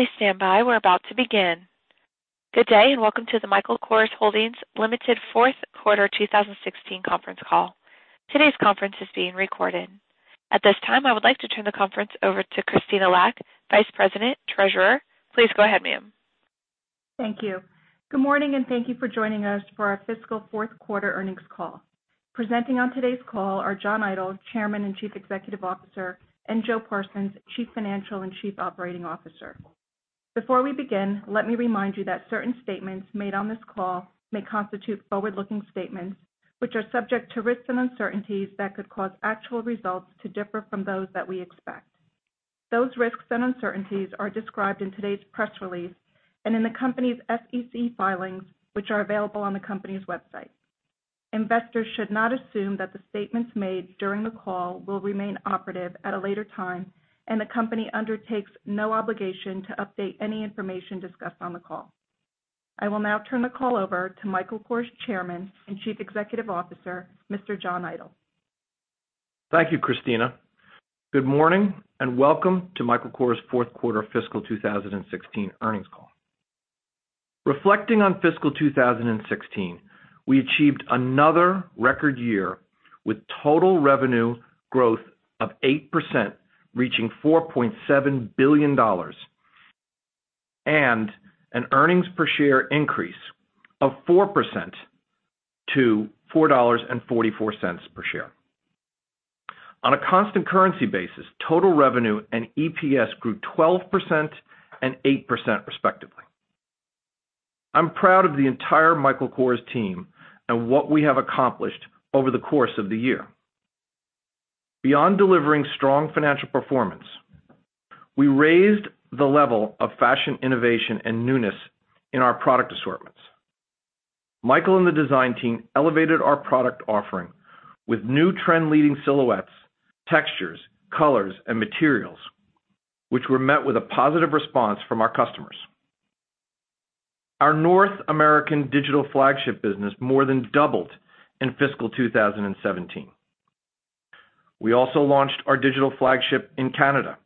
Please stand by. We're about to begin. Good day, and welcome to the Michael Kors Holdings Limited fourth quarter 2016 conference call. Today's conference is being recorded. At this time, I would like to turn the conference over to Catia von Stackelberg, Vice President, Treasurer. Please go ahead, ma'am. Thank you. Good morning, and thank you for joining us for our fiscal fourth quarter earnings call. Presenting on today's call are John D. Idol, Chairman and Chief Executive Officer, and Joseph B. Parsons, Chief Financial and Chief Operating Officer. Before we begin, let me remind you that certain statements made on this call may constitute forward-looking statements, which are subject to risks and uncertainties that could cause actual results to differ from those that we expect. Those risks and uncertainties are described in today's press release and in the company's SEC filings, which are available on the company's website. Investors should not assume that the statements made during the call will remain operative at a later time, and the company undertakes no obligation to update any information discussed on the call. I will now turn the call over to Michael Kors Chairman and Chief Executive Officer, Mr. John D. Idol. Thank you, Catia. Good morning and welcome to Michael Kors' fourth quarter fiscal 2016 earnings call. Reflecting on fiscal 2016, we achieved another record year with total revenue growth of 8%, reaching $4.7 billion, and an earnings per share increase of 4% to $4.44 per share. On a constant currency basis, total revenue and EPS grew 12% and 8% respectively. I'm proud of the entire Michael Kors team and what we have accomplished over the course of the year. Beyond delivering strong financial performance, we raised the level of fashion innovation and newness in our product assortments. Michael and the design team elevated our product offering with new trend leading silhouettes, textures, colors, and materials, which were met with a positive response from our customers. Our North American digital flagship business more than doubled in fiscal 2017. We also launched our digital flagship in Canada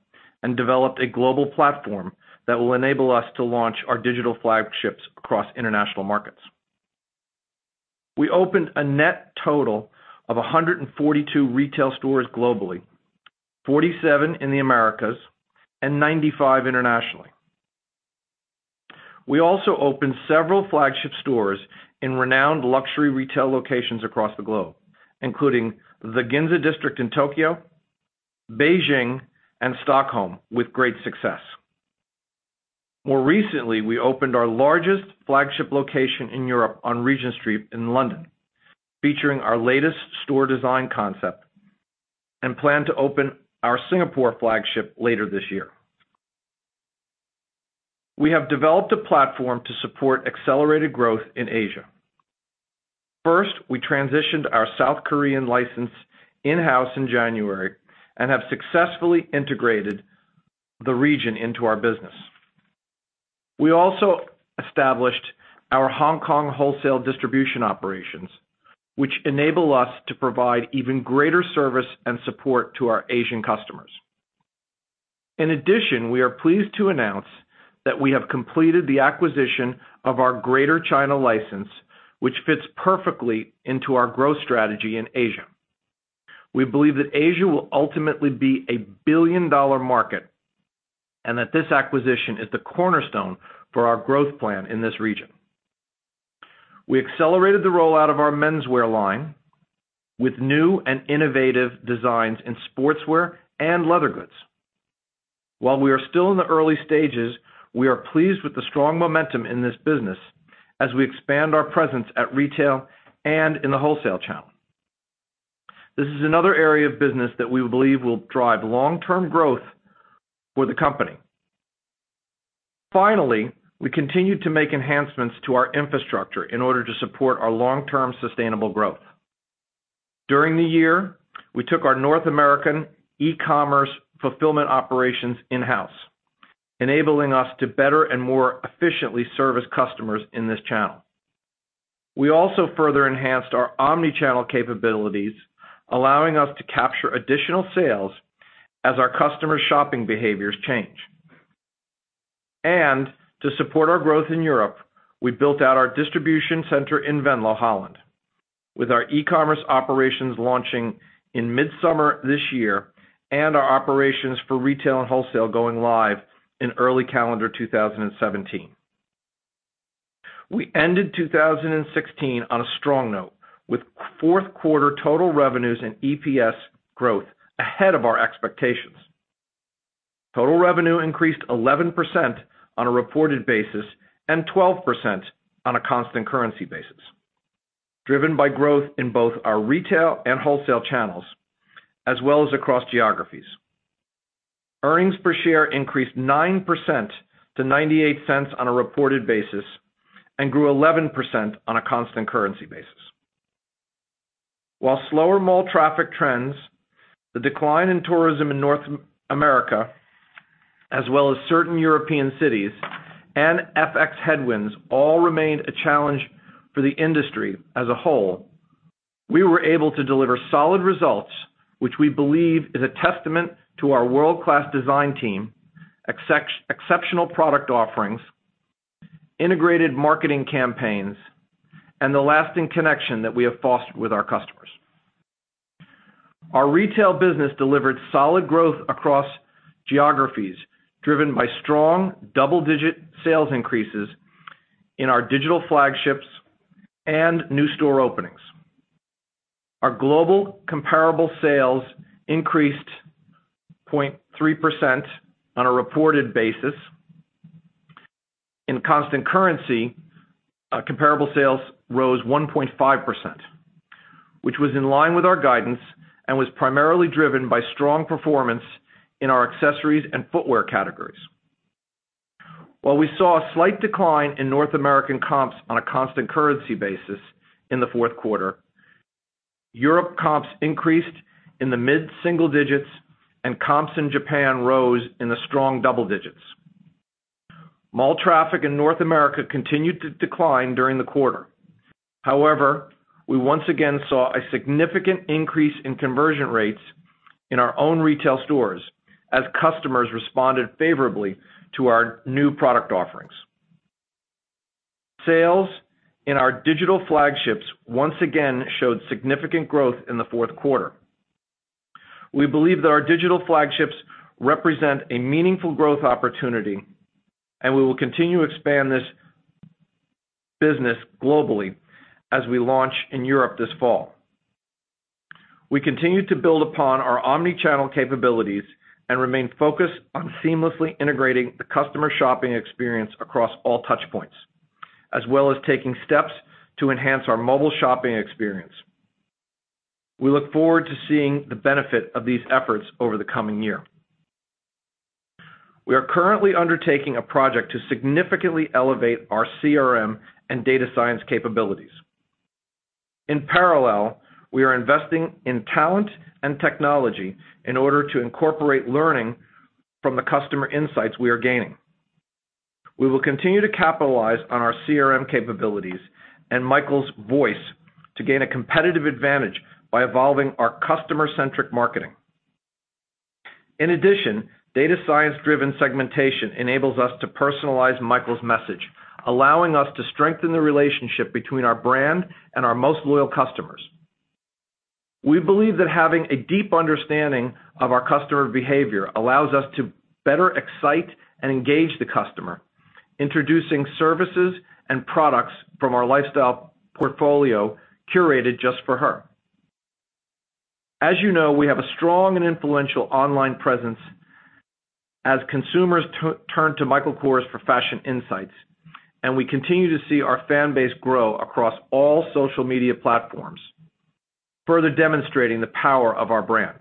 and developed a global platform that will enable us to launch our digital flagships across international markets. We opened a net total of 142 retail stores globally, 47 in the Americas and 95 internationally. We also opened several flagship stores in renowned luxury retail locations across the globe, including the Ginza District in Tokyo, Beijing, and Stockholm, with great success. More recently, we opened our largest flagship location in Europe on Regent Street in London, featuring our latest store design concept and plan to open our Singapore flagship later this year. We have developed a platform to support accelerated growth in Asia. First, we transitioned our South Korean license in-house in January and have successfully integrated the region into our business. We also established our Hong Kong wholesale distribution operations, which enable us to provide even greater service and support to our Asian customers. In addition, we are pleased to announce that we have completed the acquisition of our Greater China license, which fits perfectly into our growth strategy in Asia. We believe that Asia will ultimately be a billion-dollar market, and that this acquisition is the cornerstone for our growth plan in this region. We accelerated the rollout of our menswear line with new and innovative designs in sportswear and leather goods. While we are still in the early stages, we are pleased with the strong momentum in this business as we expand our presence at retail and in the wholesale channel. This is another area of business that we believe will drive long-term growth for the company. We continued to make enhancements to our infrastructure in order to support our long-term sustainable growth. During the year, we took our North American e-commerce fulfillment operations in-house, enabling us to better and more efficiently service customers in this channel. We also further enhanced our omni-channel capabilities, allowing us to capture additional sales as our customers' shopping behaviors change. To support our growth in Europe, we built out our distribution center in Venlo, Holland, with our e-commerce operations launching in mid-summer this year and our operations for retail and wholesale going live in early calendar 2017. We ended 2016 on a strong note with fourth quarter total revenues and EPS growth ahead of our expectations. Total revenue increased 11% on a reported basis and 12% on a constant currency basis, driven by growth in both our retail and wholesale channels, as well as across geographies. Earnings per share increased 9% to $0.98 on a reported basis and grew 11% on a constant currency basis. While slower mall traffic trends, the decline in tourism in North America as well as certain European cities and FX headwinds all remained a challenge for the industry as a whole. We were able to deliver solid results, which we believe is a testament to our world-class design team, exceptional product offerings, integrated marketing campaigns, and the lasting connection that we have fostered with our customers. Our retail business delivered solid growth across geographies, driven by strong double-digit sales increases in our digital flagships and new store openings. Our global comparable sales increased 0.3% on a reported basis. In constant currency, comparable sales rose 1.5%, which was in line with our guidance and was primarily driven by strong performance in our accessories and footwear categories. While we saw a slight decline in North American comps on a constant currency basis in the fourth quarter, Europe comps increased in the mid-single digits, and comps in Japan rose in the strong double digits. Mall traffic in North America continued to decline during the quarter. However, we once again saw a significant increase in conversion rates in our own retail stores as customers responded favorably to our new product offerings. Sales in our digital flagships once again showed significant growth in the fourth quarter. We believe that our digital flagships represent a meaningful growth opportunity, and we will continue to expand this business globally as we launch in Europe this fall. We continue to build upon our omni-channel capabilities and remain focused on seamlessly integrating the customer shopping experience across all touch points, as well as taking steps to enhance our mobile shopping experience. We look forward to seeing the benefit of these efforts over the coming year. We are currently undertaking a project to significantly elevate our CRM and data science capabilities. In parallel, we are investing in talent and technology in order to incorporate learning from the customer insights we are gaining. We will continue to capitalize on our CRM capabilities and Michael's voice to gain a competitive advantage by evolving our customer-centric marketing. Data science-driven segmentation enables us to personalize Michael's message, allowing us to strengthen the relationship between our brand and our most loyal customers. We believe that having a deep understanding of our customer behavior allows us to better excite and engage the customer, introducing services and products from our lifestyle portfolio curated just for her. As you know, we have a strong and influential online presence as consumers turn to Michael Kors for fashion insights, we continue to see our fan base grow across all social media platforms, further demonstrating the power of our brand.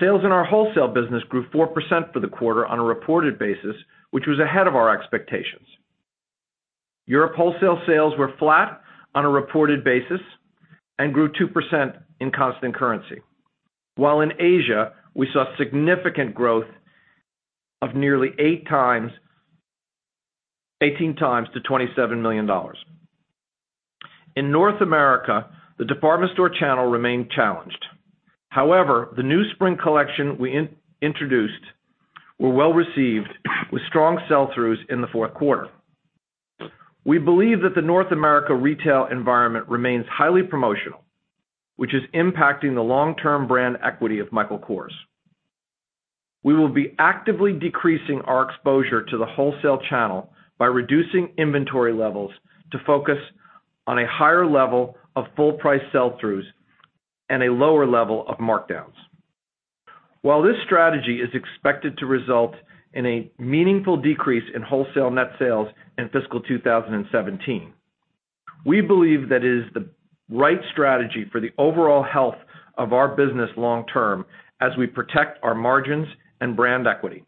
Sales in our wholesale business grew 4% for the quarter on a reported basis, which was ahead of our expectations. Europe wholesale sales were flat on a reported basis and grew 2% in constant currency. While in Asia, we saw significant growth of nearly 18 times to $27 million. In North America, the department store channel remained challenged. However, the new spring collection we introduced were well-received with strong sell-throughs in the fourth quarter. We believe that the North America retail environment remains highly promotional, which is impacting the long-term brand equity of Michael Kors. We will be actively decreasing our exposure to the wholesale channel by reducing inventory levels to focus on a higher level of full price sell-throughs and a lower level of markdowns. While this strategy is expected to result in a meaningful decrease in wholesale net sales in fiscal 2017, we believe that it is the right strategy for the overall health of our business long term as we protect our margins and brand equity.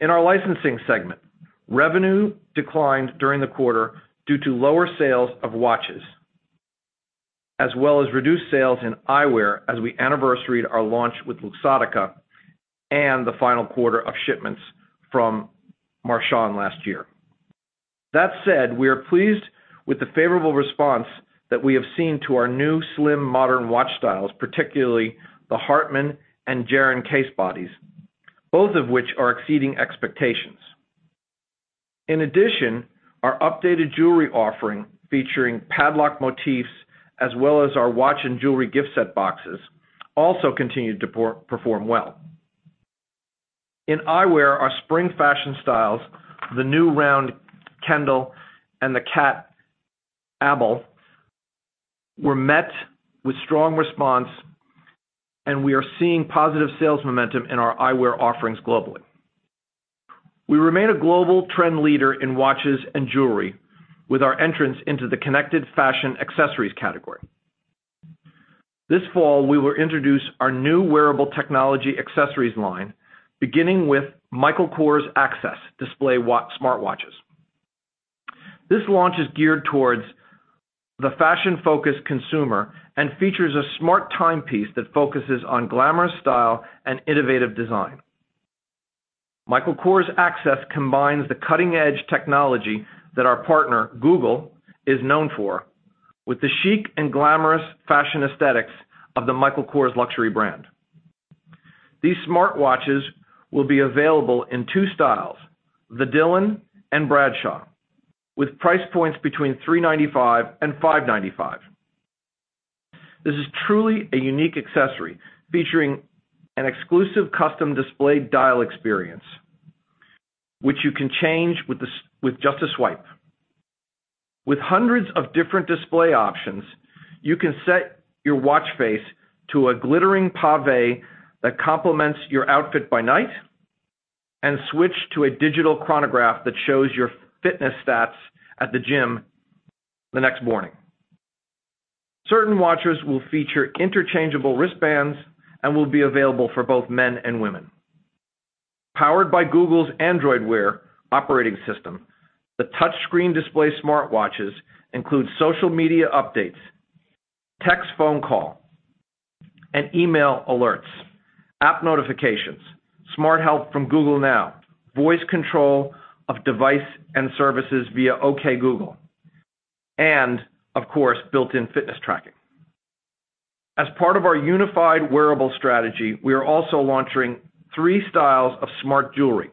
In our licensing segment, revenue declined during the quarter due to lower sales of watches, as well as reduced sales in eyewear as we anniversaried our launch with Luxottica and the final quarter of shipments from Marchon last year. That said, we are pleased with the favorable response that we have seen to our new slim modern watch styles, particularly the Hartman and Jaryn case bodies, both of which are exceeding expectations. Our updated jewelry offering featuring padlock motifs as well as our watch and jewelry gift set boxes also continued to perform well. In eyewear, our spring fashion styles, the new round Kendall and the cat Abela, were met with strong response, we are seeing positive sales momentum in our eyewear offerings globally. We remain a global trend leader in watches and jewelry with our entrance into the connected fashion accessories category. This fall, we will introduce our new wearable technology accessories line, beginning with Michael Kors Access display smartwatches. This launch is geared towards the fashion-focused consumer and features a smart timepiece that focuses on glamorous style and innovative design. Michael Kors Access combines the cutting-edge technology that our partner, Google, is known for, with the chic and glamorous fashion aesthetics of the Michael Kors luxury brand. These smartwatches will be available in two styles, the Dylan and Bradshaw, with price points between $395 and $595. This is truly a unique accessory featuring an exclusive custom display dial experience, which you can change with just a swipe. With hundreds of different display options, you can set your watch face to a glittering pavé that complements your outfit by night and switch to a digital chronograph that shows your fitness stats at the gym the next morning. Certain watches will feature interchangeable wristbands and will be available for both men and women. Powered by Google's Android Wear operating system, the touchscreen display smartwatches include social media updates, text phone call, and email alerts, app notifications, smart help from Google Now, voice control of device and services via OK Google, and of course, built-in fitness tracking. As part of our unified wearable strategy, we are also launching three styles of smart jewelry,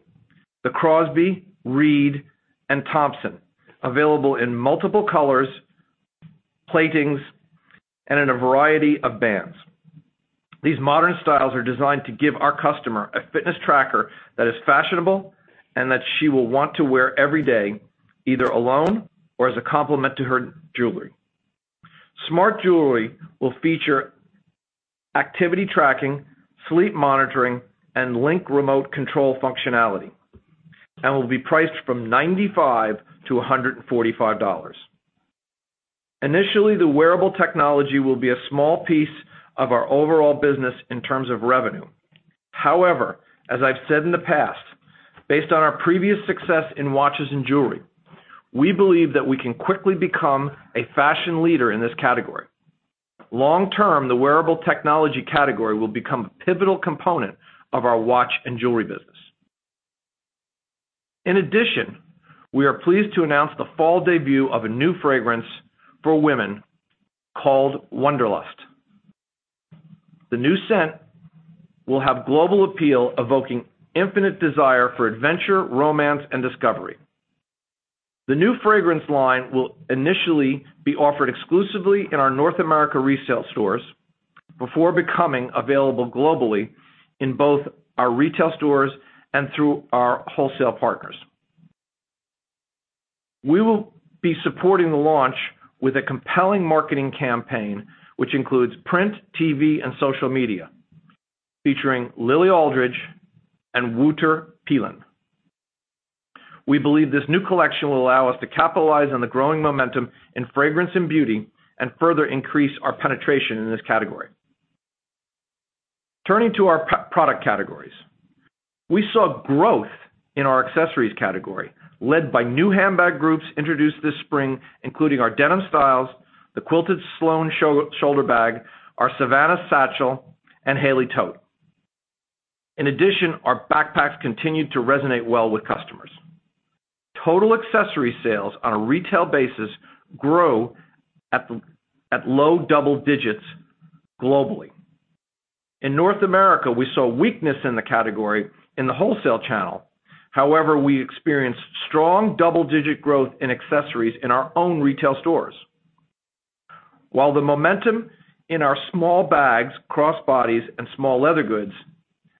the Crosby, Reade, and Thompson. Available in multiple colors, platings, and in a variety of bands. These modern styles are designed to give our customer a fitness tracker that is fashionable and that she will want to wear every day, either alone or as a complement to her jewelry. Smart jewelry will feature activity tracking, sleep monitoring, and link remote control functionality, and will be priced from $95 to $145. Initially, the wearable technology will be a small piece of our overall business in terms of revenue. As I've said in the past, based on our previous success in watches and jewelry, we believe that we can quickly become a fashion leader in this category. Long-term, the wearable technology category will become a pivotal component of our watch and jewelry business. We are pleased to announce the fall debut of a new fragrance for women called Wonderlust. The new scent will have global appeal, evoking infinite desire for adventure, romance, and discovery. The new fragrance line will initially be offered exclusively in our North America retail stores before becoming available globally in both our retail stores and through our wholesale partners. We will be supporting the launch with a compelling marketing campaign, which includes print, TV, and social media featuring Lily Aldridge and Wouter Peelen. We believe this new collection will allow us to capitalize on the growing momentum in fragrance and beauty and further increase our penetration in this category. Turning to our product categories. We saw growth in our accessories category led by new handbag groups introduced this spring, including our denim styles, the quilted Sloan shoulder bag, our Savannah satchel, and Hayley tote. Our backpacks continued to resonate well with customers. Total accessory sales on a retail basis grew at low double digits globally. In North America, we saw weakness in the category in the wholesale channel. We experienced strong double-digit growth in accessories in our own retail stores. While the momentum in our small bags, crossbodies, and small leather goods,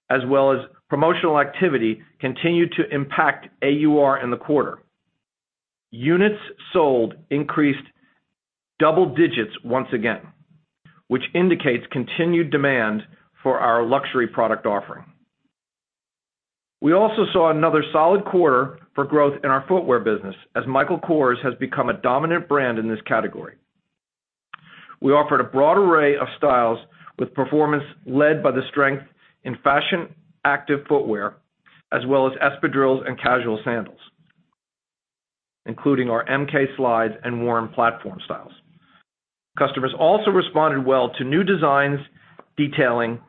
as well as promotional activity, continued to impact AUR in the quarter. Units sold increased double digits once again, which indicates continued demand for our luxury product offering. We also saw another solid quarter for growth in our footwear business, as Michael Kors has become a dominant brand in this category. We offered a broad array of styles with performance led by the strength in fashion active footwear, as well as espadrilles and casual sandals, including our MK slides and Warren platform styles. Customers also responded well to new designs detailing,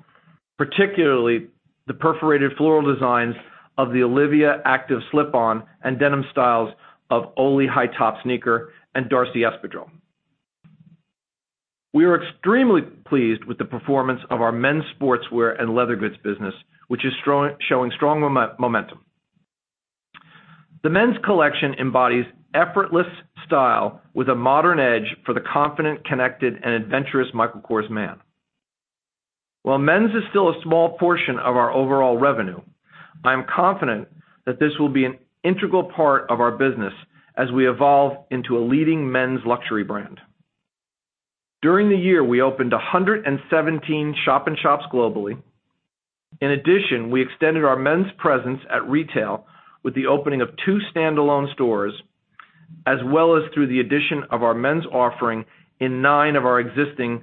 particularly the perforated floral designs of the Olivia active slip-on and denim styles of Ollie high-top sneaker and Darci espadrille. We are extremely pleased with the performance of our men's sportswear and leather goods business, which is showing strong momentum. The men's collection embodies effortless style with a modern edge for the confident, connected, and adventurous Michael Kors man. While men's is still a small portion of our overall revenue, I am confident that this will be an integral part of our business as we evolve into a leading men's luxury brand. During the year, we opened 117 shop-in-shops globally. In addition, we extended our men's presence at retail with the opening of two standalone stores, as well as through the addition of our men's offering in nine of our existing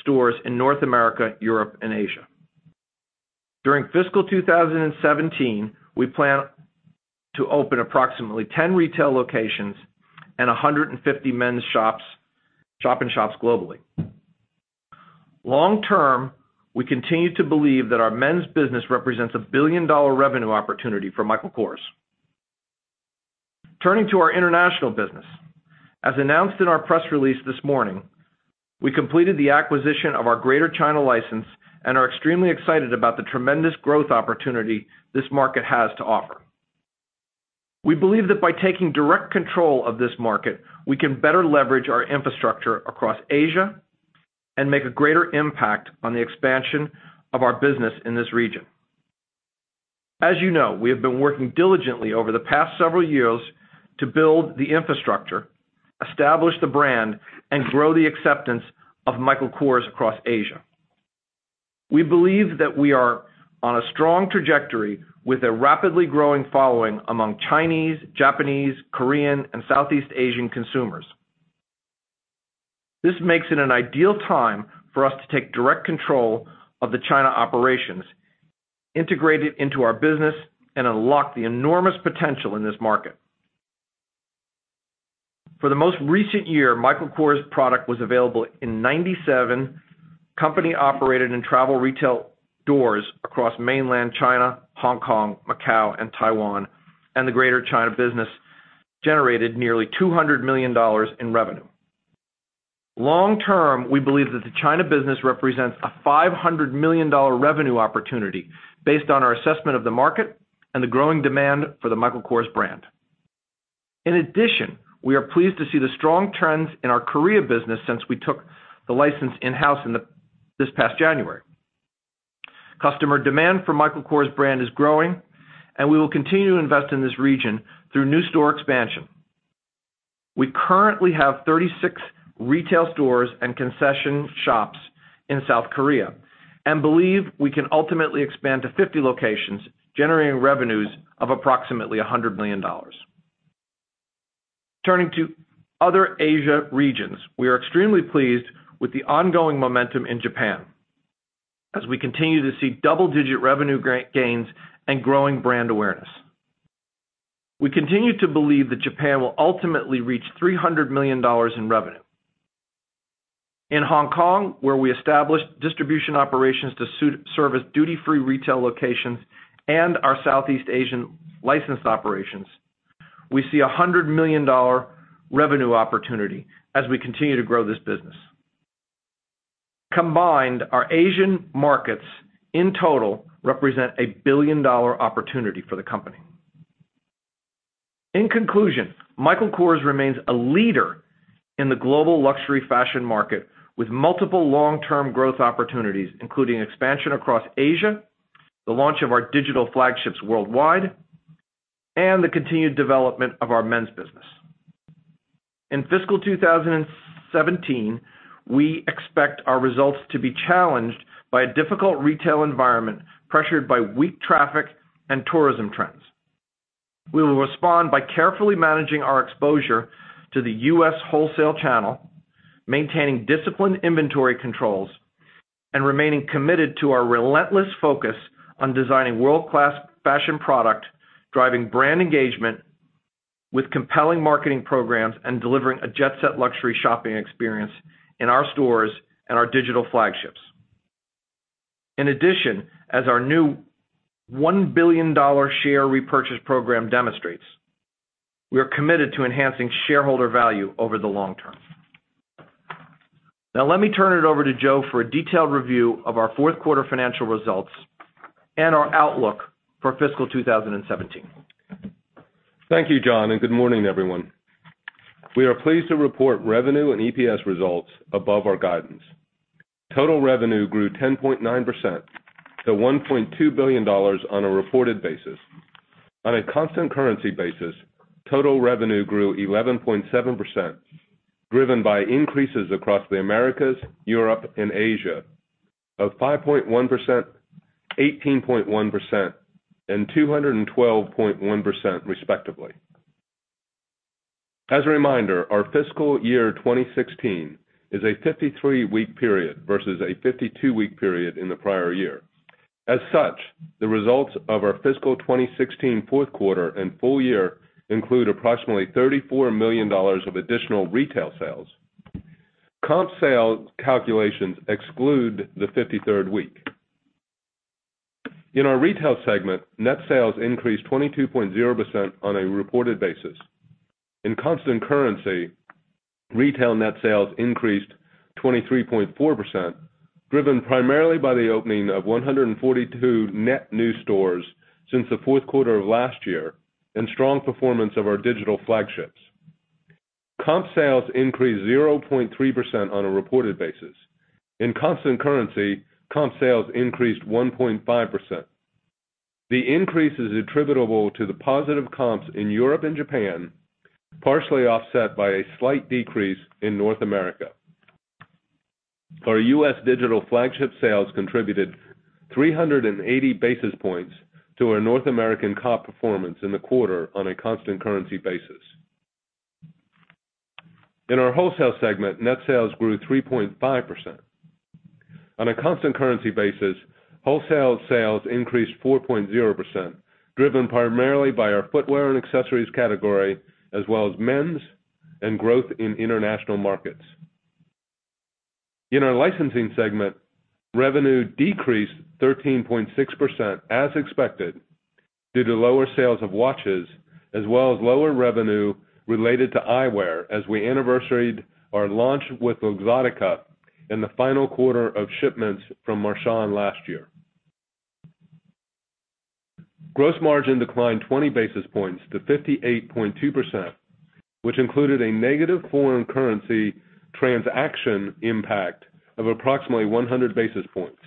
stores in North America, Europe, and Asia. During fiscal 2017, we plan to open approximately 10 retail locations and 150 men's shop in shops globally. Long-term, we continue to believe that our men's business represents a billion-dollar revenue opportunity for Michael Kors. Turning to our international business. As announced in our press release this morning, we completed the acquisition of our Greater China license and are extremely excited about the tremendous growth opportunity this market has to offer. We believe that by taking direct control of this market, we can better leverage our infrastructure across Asia and make a greater impact on the expansion of our business in this region. As you know, we have been working diligently over the past several years to build the infrastructure, establish the brand, and grow the acceptance of Michael Kors across Asia. We believe that we are on a strong trajectory with a rapidly growing following among Chinese, Japanese, Korean, and Southeast Asian consumers. This makes it an ideal time for us to take direct control of the China operations, integrate it into our business, and unlock the enormous potential in this market. For the most recent year, Michael Kors product was available in 97 company-operated and travel retail doors across mainland China, Hong Kong, Macau, and Taiwan, and the Greater China business generated nearly $200 million in revenue. Long-term, we believe that the China business represents a $500 million revenue opportunity based on our assessment of the market and the growing demand for the Michael Kors brand. In addition, we are pleased to see the strong trends in our Korea business since we took the license in-house this past January. Customer demand for Michael Kors brand is growing, and we will continue to invest in this region through new store expansion. We currently have 36 retail stores and concession shops in South Korea and believe we can ultimately expand to 50 locations, generating revenues of approximately $100 million. Turning to other Asia regions. We are extremely pleased with the ongoing momentum in Japan as we continue to see double-digit revenue gains and growing brand awareness. We continue to believe that Japan will ultimately reach $300 million in revenue. In Hong Kong, where we established distribution operations to service duty-free retail locations and our Southeast Asian licensed operations, we see a $100 million revenue opportunity as we continue to grow this business. Combined, our Asian markets in total represent a billion-dollar opportunity for the company. In conclusion, Michael Kors remains a leader in the global luxury fashion market with multiple long-term growth opportunities, including expansion across Asia, the launch of our digital flagships worldwide, and the continued development of our men's business. In fiscal 2017, we expect our results to be challenged by a difficult retail environment pressured by weak traffic and tourism trends. We will respond by carefully managing our exposure to the U.S. wholesale channel, maintaining disciplined inventory controls, and remaining committed to our relentless focus on designing world-class fashion product, driving brand engagement with compelling marketing programs, and delivering a jet-set luxury shopping experience in our stores and our digital flagships. In addition, as our new $1 billion share repurchase program demonstrates, we are committed to enhancing shareholder value over the long term. Let me turn it over to Joe for a detailed review of our fourth quarter financial results and our outlook for fiscal 2017. Thank you, John, good morning, everyone. We are pleased to report revenue and EPS results above our guidance. Total revenue grew 10.9% to $1.2 billion on a reported basis. On a constant currency basis, total revenue grew 11.7%, driven by increases across the Americas, Europe, and Asia of 5.1%, 18.1%, and 212.1% respectively. As a reminder, our fiscal year 2016 is a 53-week period versus a 52-week period in the prior year. As such, the results of our fiscal 2016 fourth quarter and full year include approximately $34 million of additional retail sales. Comp sale calculations exclude the 53rd week. In our retail segment, net sales increased 22.0% on a reported basis. In constant currency, retail net sales increased 23.4%, driven primarily by the opening of 142 net new stores since the fourth quarter of last year and strong performance of our digital flagships. Comp sales increased 0.3% on a reported basis. In constant currency, comp sales increased 1.5%. The increase is attributable to the positive comps in Europe and Japan, partially offset by a slight decrease in North America. Our U.S. digital flagship sales contributed 380 basis points to our North American comp performance in the quarter on a constant currency basis. In our wholesale segment, net sales grew 3.5%. On a constant currency basis, wholesale sales increased 4.0%, driven primarily by our footwear and accessories category, as well as men's and growth in international markets. In our licensing segment, revenue decreased 13.6%, as expected, due to lower sales of watches as well as lower revenue related to eyewear as we anniversaried our launch with Luxottica in the final quarter of shipments from Marchon last year. Gross margin declined 20 basis points to 58.2%, which included a negative foreign currency transaction impact of approximately 100 basis points.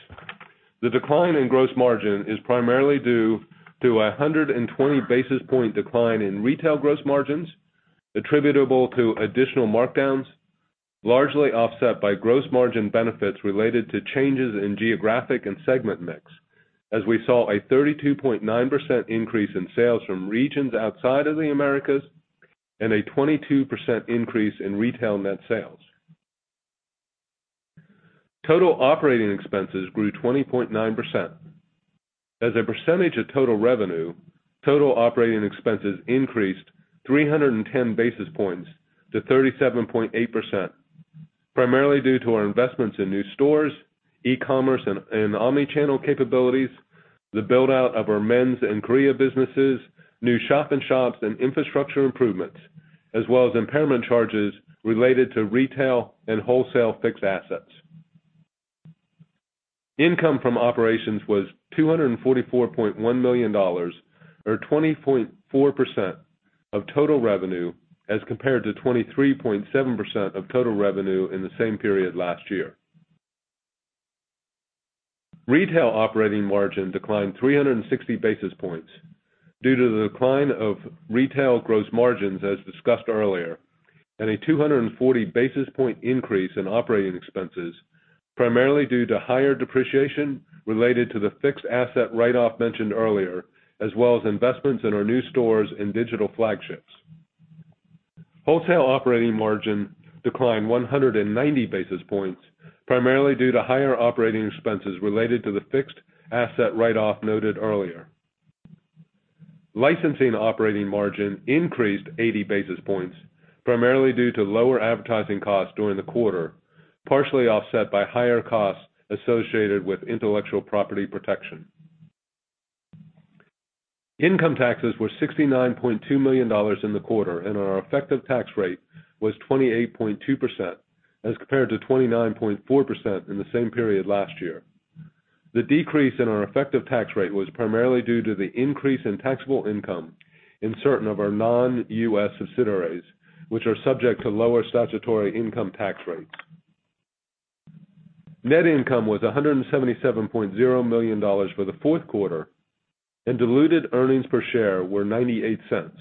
The decline in gross margin is primarily due to 120 basis point decline in retail gross margins attributable to additional markdowns, largely offset by gross margin benefits related to changes in geographic and segment mix, as we saw a 32.9% increase in sales from regions outside of the Americas and a 22% increase in retail net sales. Total operating expenses grew 20.9%. As a percentage of total revenue, total operating expenses increased 310 basis points to 37.8%, primarily due to our investments in new stores, e-commerce, and omnichannel capabilities, the build-out of our men's and Korea businesses, new shop-in-shops and infrastructure improvements, as well as impairment charges related to retail and wholesale fixed assets. Income from operations was $244.1 million, or 20.4% of total revenue, as compared to 23.7% of total revenue in the same period last year. Retail operating margin declined 360 basis points due to the decline of retail gross margins, as discussed earlier, and a 240 basis point increase in operating expenses, primarily due to higher depreciation related to the fixed asset write-off mentioned earlier, as well as investments in our new stores and digital flagships. Wholesale operating margin declined 190 basis points, primarily due to higher operating expenses related to the fixed asset write-off noted earlier. Licensing operating margin increased 80 basis points, primarily due to lower advertising costs during the quarter, partially offset by higher costs associated with intellectual property protection. Income taxes were $69.2 million in the quarter, and our effective tax rate was 28.2% as compared to 29.4% in the same period last year. The decrease in our effective tax rate was primarily due to the increase in taxable income in certain of our non-U.S. subsidiaries, which are subject to lower statutory income tax rates. Net income was $177.0 million for the fourth quarter, and diluted earnings per share were $0.98.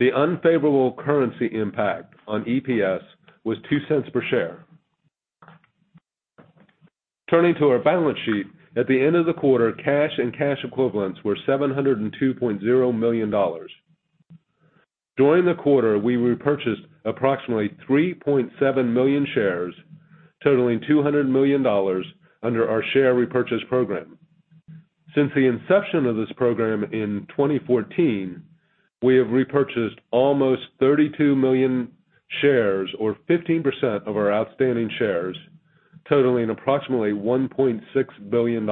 The unfavorable currency impact on EPS was $0.02 per share. Turning to our balance sheet. At the end of the quarter, cash and cash equivalents were $702.0 million. During the quarter, we repurchased approximately 3.7 million shares, totaling $200 million under our share repurchase program. Since the inception of this program in 2014, we have repurchased almost 32 million shares or 15% of our outstanding shares, totaling approximately $1.6 billion.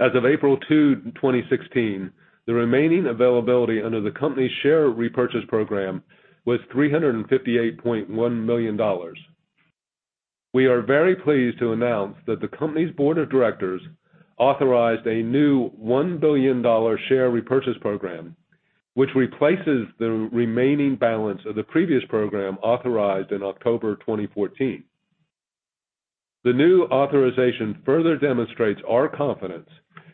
As of April 2, 2016, the remaining availability under the company's share repurchase program was $358.1 million. We are very pleased to announce that the company's board of directors authorized a new $1 billion share repurchase program, which replaces the remaining balance of the previous program authorized in October 2014. The new authorization further demonstrates our confidence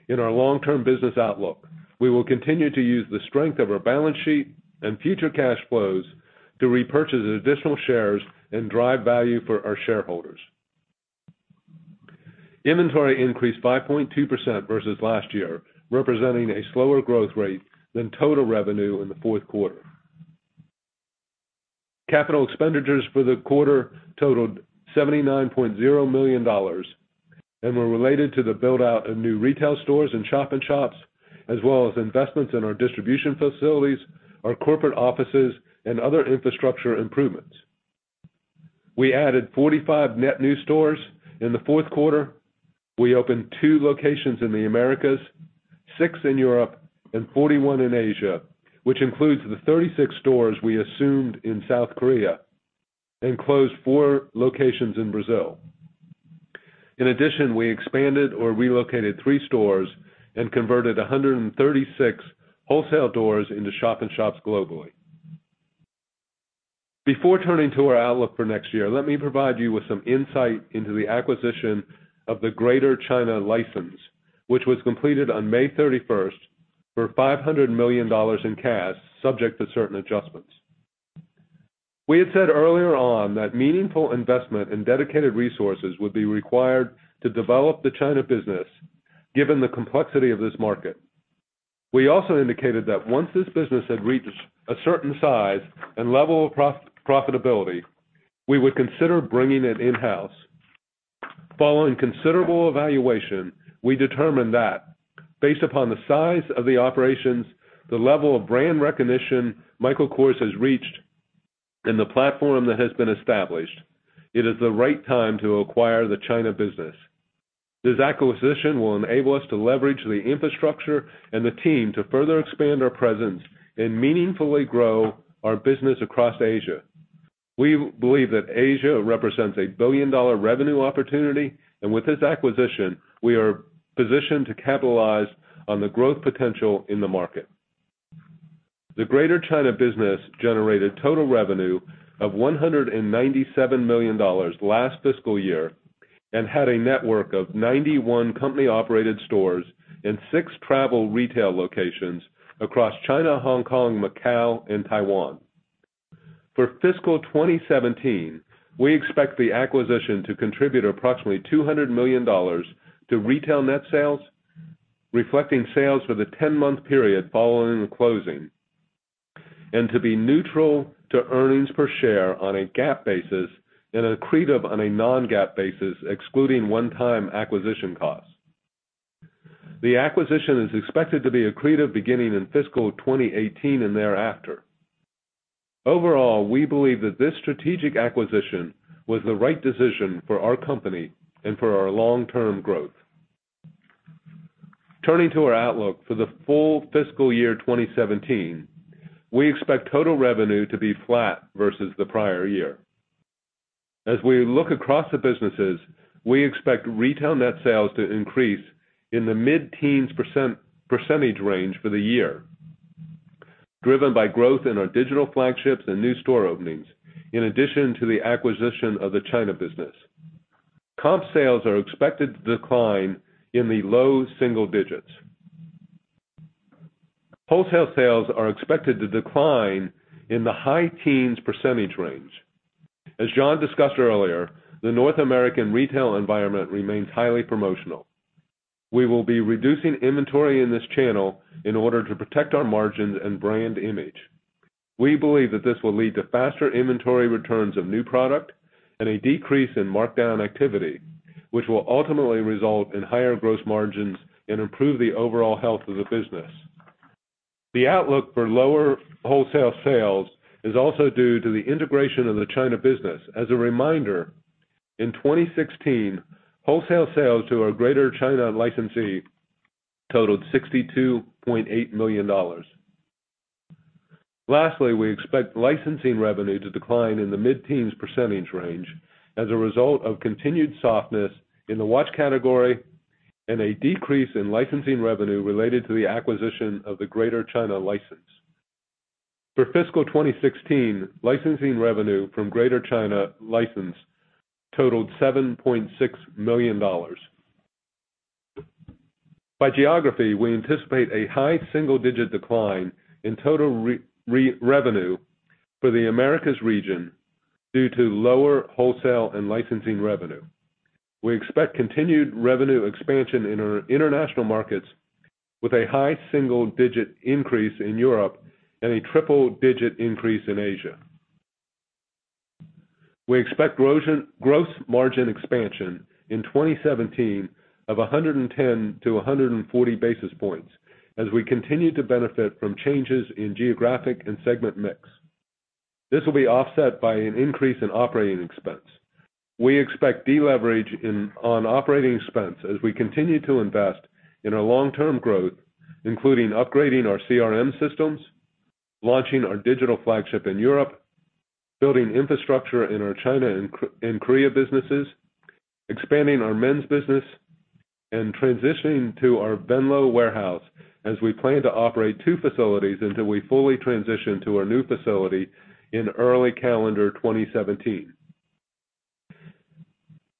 in our long-term business outlook. We will continue to use the strength of our balance sheet and future cash flows to repurchase additional shares and drive value for our shareholders. Inventory increased 5.2% versus last year, representing a slower growth rate than total revenue in the fourth quarter. Capital expenditures for the quarter totaled $79.0 million and were related to the build-out of new retail stores and shop-in-shops, as well as investments in our distribution facilities, our corporate offices, and other infrastructure improvements. We added 45 net new stores in the fourth quarter. We opened 2 locations in the Americas, 6 in Europe, and 41 in Asia, which includes the 36 stores we assumed in South Korea and closed 4 locations in Brazil. In addition, we expanded or relocated 3 stores and converted 136 wholesale doors into shop-in-shops globally. Before turning to our outlook for next year, let me provide you with some insight into the acquisition of the Greater China license, which was completed on May 31st for $500 million in cash, subject to certain adjustments. We had said earlier on that meaningful investment in dedicated resources would be required to develop the China business, given the complexity of this market. We also indicated that once this business had reached a certain size and level of profitability, we would consider bringing it in-house. Following considerable evaluation, we determined that based upon the size of the operations, the level of brand recognition Michael Kors has reached, and the platform that has been established, it is the right time to acquire the China business. This acquisition will enable us to leverage the infrastructure and the team to further expand our presence and meaningfully grow our business across Asia. With this acquisition, we are positioned to capitalize on the growth potential in the market. We believe that Asia represents a billion-dollar revenue opportunity. The Greater China business generated total revenue of $197 million last fiscal year and had a network of 91 company-operated stores and 6 travel retail locations across China, Hong Kong, Macau, and Taiwan. For FY 2017, we expect the acquisition to contribute approximately $200 million to retail net sales, reflecting sales for the 10-month period following the closing. To be neutral to EPS on a GAAP basis and accretive on a non-GAAP basis, excluding one-time acquisition costs. The acquisition is expected to be accretive beginning in FY 2018 and thereafter. Overall, we believe that this strategic acquisition was the right decision for our company and for our long-term growth. Turning to our outlook for the full FY 2017, we expect total revenue to be flat versus the prior year. As we look across the businesses, we expect retail net sales to increase in the mid-teens percentage range for the year, driven by growth in our digital flagships and new store openings, in addition to the acquisition of the China business. Comp sales are expected to decline in the low single digits. Wholesale sales are expected to decline in the high teens percentage range. As John discussed earlier, the North American retail environment remains highly promotional. We will be reducing inventory in this channel in order to protect our margins and brand image. We believe that this will lead to faster inventory returns of new product and a decrease in markdown activity, which will ultimately result in higher gross margins and improve the overall health of the business. The outlook for lower wholesale sales is also due to the integration of the China business. As a reminder, in 2016, wholesale sales to our Greater China licensee totaled $62.8 million. Lastly, we expect licensing revenue to decline in the mid-teens % range as a result of continued softness in the watch category and a decrease in licensing revenue related to the acquisition of the Greater China license. For fiscal 2016, licensing revenue from Greater China license totaled $7.6 million. By geography, we anticipate a high single-digit decline in total revenue for the Americas region due to lower wholesale and licensing revenue. We expect continued revenue expansion in our international markets with a high single-digit increase in Europe and a triple-digit increase in Asia. We expect gross margin expansion in 2017 of 110-140 basis points as we continue to benefit from changes in geographic and segment mix. This will be offset by an increase in operating expense. We expect deleverage on operating expense as we continue to invest in our long-term growth, including upgrading our CRM systems, launching our digital flagship in Europe, building infrastructure in our China and Korea businesses, expanding our men's business, and transitioning to our Venlo warehouse as we plan to operate two facilities until we fully transition to our new facility in early calendar 2017.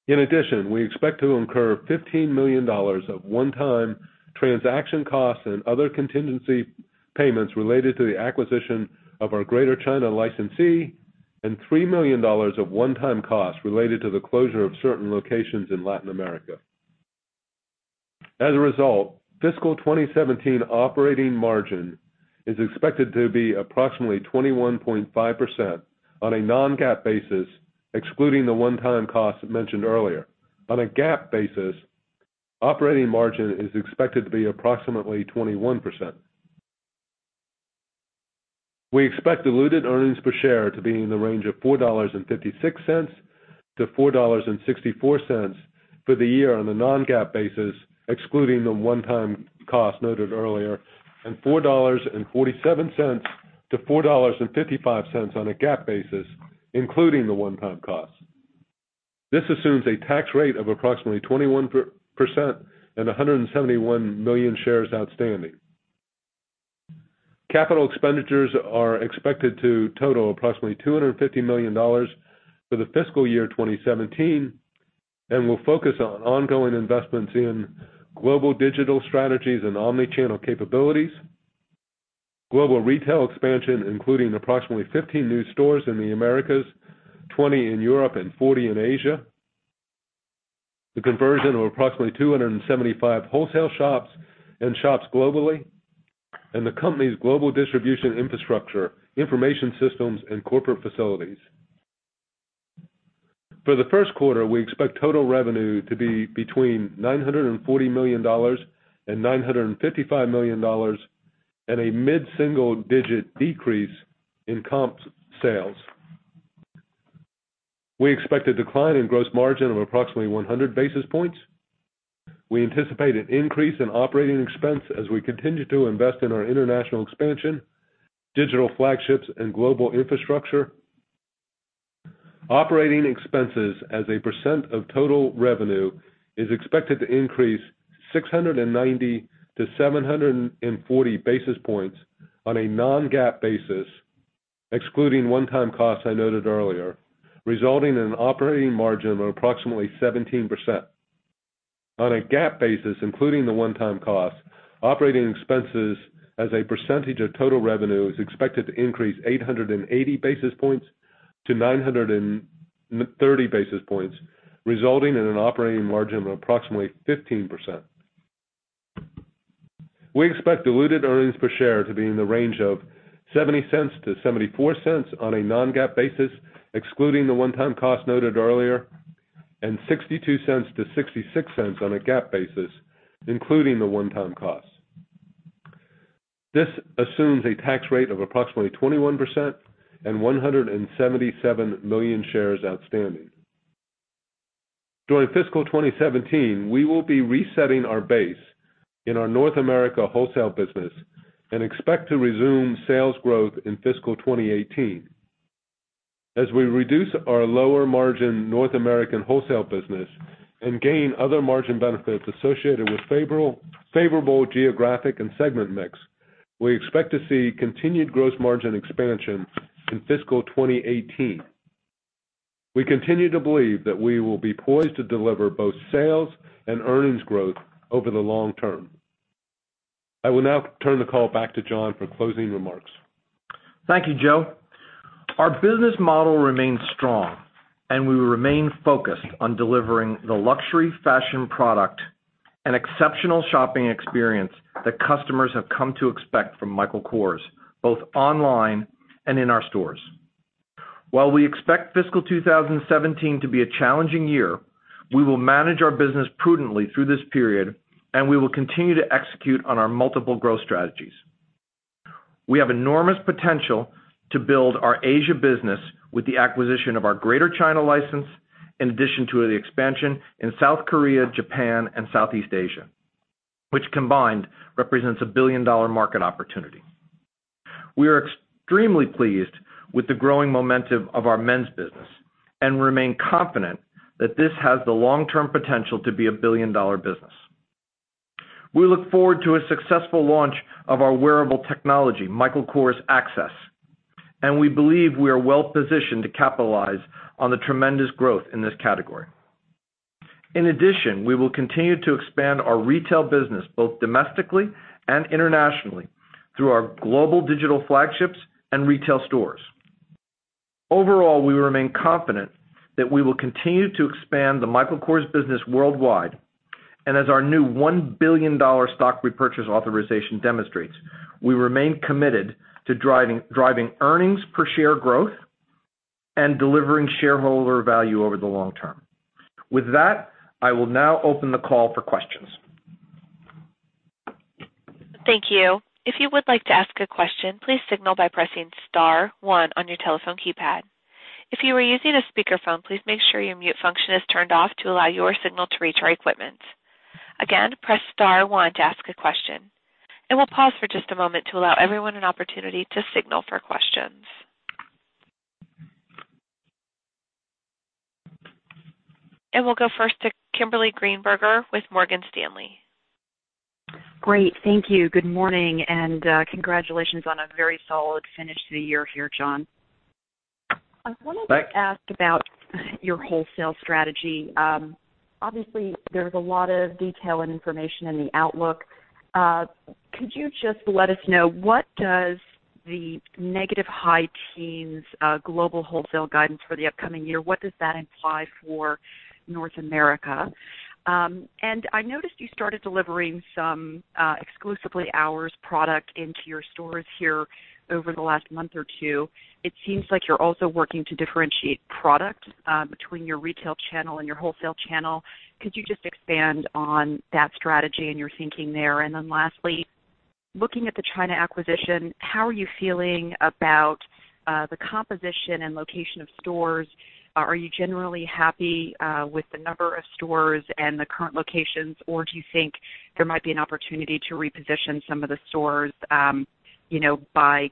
In addition, we expect to incur $15 million of one-time transaction costs and other contingency payments related to the acquisition of our Greater China licensee and $3 million of one-time costs related to the closure of certain locations in Latin America. As a result, fiscal 2017 operating margin is expected to be approximately 21.5% on a non-GAAP basis, excluding the one-time costs mentioned earlier. On a GAAP basis, operating margin is expected to be approximately 21%. We expect diluted earnings per share to be in the range of $4.56-$4.64 for the year on a non-GAAP basis, excluding the one-time costs noted earlier, and $4.47-$4.55 on a GAAP basis, including the one-time costs. This assumes a tax rate of approximately 21% and 171 million shares outstanding. Capital expenditures are expected to total approximately $250 million for the fiscal year 2017. We'll focus on ongoing investments in global digital strategies and omni-channel capabilities, global retail expansion, including approximately 15 new stores in the Americas, 20 in Europe and 40 in Asia, the conversion of approximately 275 wholesale shop-in-shops globally, and the company's global distribution infrastructure, information systems, and corporate facilities. For the first quarter, we expect total revenue to be between $940 million and $955 million, and a mid-single-digit decrease in comp sales. We expect a decline in gross margin of approximately 100 basis points. We anticipate an increase in operating expense as we continue to invest in our international expansion, digital flagships, and global infrastructure. Operating expenses as a % of total revenue is expected to increase 690-740 basis points on a non-GAAP basis, excluding one-time costs I noted earlier, resulting in an operating margin of approximately 17%. On a GAAP basis, including the one-time costs, operating expenses as a % of total revenue is expected to increase 880-930 basis points, resulting in an operating margin of approximately 15%. We expect diluted earnings per share to be in the range of $0.70-$0.74 on a non-GAAP basis, excluding the one-time costs noted earlier, and $0.62-$0.66 on a GAAP basis, including the one-time costs. This assumes a tax rate of approximately 21% and 177 million shares outstanding. During fiscal 2017, we will be resetting our base in our North America wholesale business and expect to resume sales growth in fiscal 2018. As we reduce our lower-margin North American wholesale business and gain other margin benefits associated with favorable geographic and segment mix, we expect to see continued gross margin expansion in fiscal 2018. We continue to believe that we will be poised to deliver both sales and earnings growth over the long term. I will now turn the call back to John for closing remarks. Thank you, Joe. Our business model remains strong, and we remain focused on delivering the luxury fashion product and exceptional shopping experience that customers have come to expect from Michael Kors, both online and in our stores. While we expect fiscal 2017 to be a challenging year, we will manage our business prudently through this period, and we will continue to execute on our multiple growth strategies. We have enormous potential to build our Asia business with the acquisition of our Greater China license, in addition to the expansion in South Korea, Japan, and Southeast Asia, which combined represents a billion-dollar market opportunity. We are extremely pleased with the growing momentum of our men's business and remain confident that this has the long-term potential to be a billion-dollar business. We look forward to a successful launch of our wearable technology, Michael Kors Access, and we believe we are well-positioned to capitalize on the tremendous growth in this category. In addition, we will continue to expand our retail business both domestically and internationally through our global digital flagships and retail stores. Overall, we remain confident that we will continue to expand the Michael Kors business worldwide, and as our new $1 billion stock repurchase authorization demonstrates, we remain committed to driving earnings per share growth and delivering shareholder value over the long term. With that, I will now open the call for questions. Thank you. If you would like to ask a question, please signal by pressing *1 on your telephone keypad. If you are using a speakerphone, please make sure your mute function is turned off to allow your signal to reach our equipment. Again, press *1 to ask a question. We'll pause for just a moment to allow everyone an opportunity to signal for questions. We'll go first to Kimberly Greenberger with Morgan Stanley. Great. Thank you. Good morning. Congratulations on a very solid finish to the year here, John. Thanks. I wanted to ask about your wholesale strategy. Obviously, there's a lot of detail and information in the outlook. Could you just let us know, what does the negative high teens global wholesale guidance for the upcoming year, what does that imply for North America? I noticed you started delivering some exclusively Kors product into your stores here over the last month or two. It seems like you're also working to differentiate product between your retail channel and your wholesale channel. Could you just expand on that strategy and your thinking there? Lastly, looking at the China acquisition, how are you feeling about the composition and location of stores? Are you generally happy with the number of stores and the current locations, or do you think there might be an opportunity to reposition some of the stores by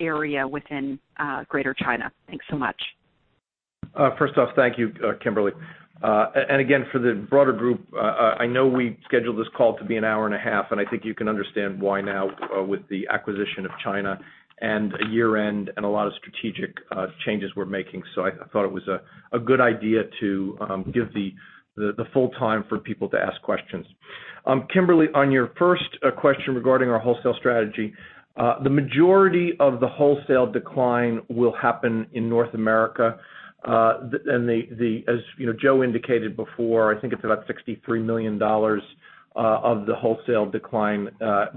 area within Greater China? Thanks so much. First off, thank you, Kimberly. Again, for the broader group, I know we scheduled this call to be an hour and a half, I think you can understand why now with the acquisition of China and a year-end and a lot of strategic changes we're making. I thought it was a good idea to give the full time for people to ask questions. Kimberly, on your first question regarding our wholesale strategy, the majority of the wholesale decline will happen in North America. As Joe indicated before, I think it's about $63 million of the wholesale decline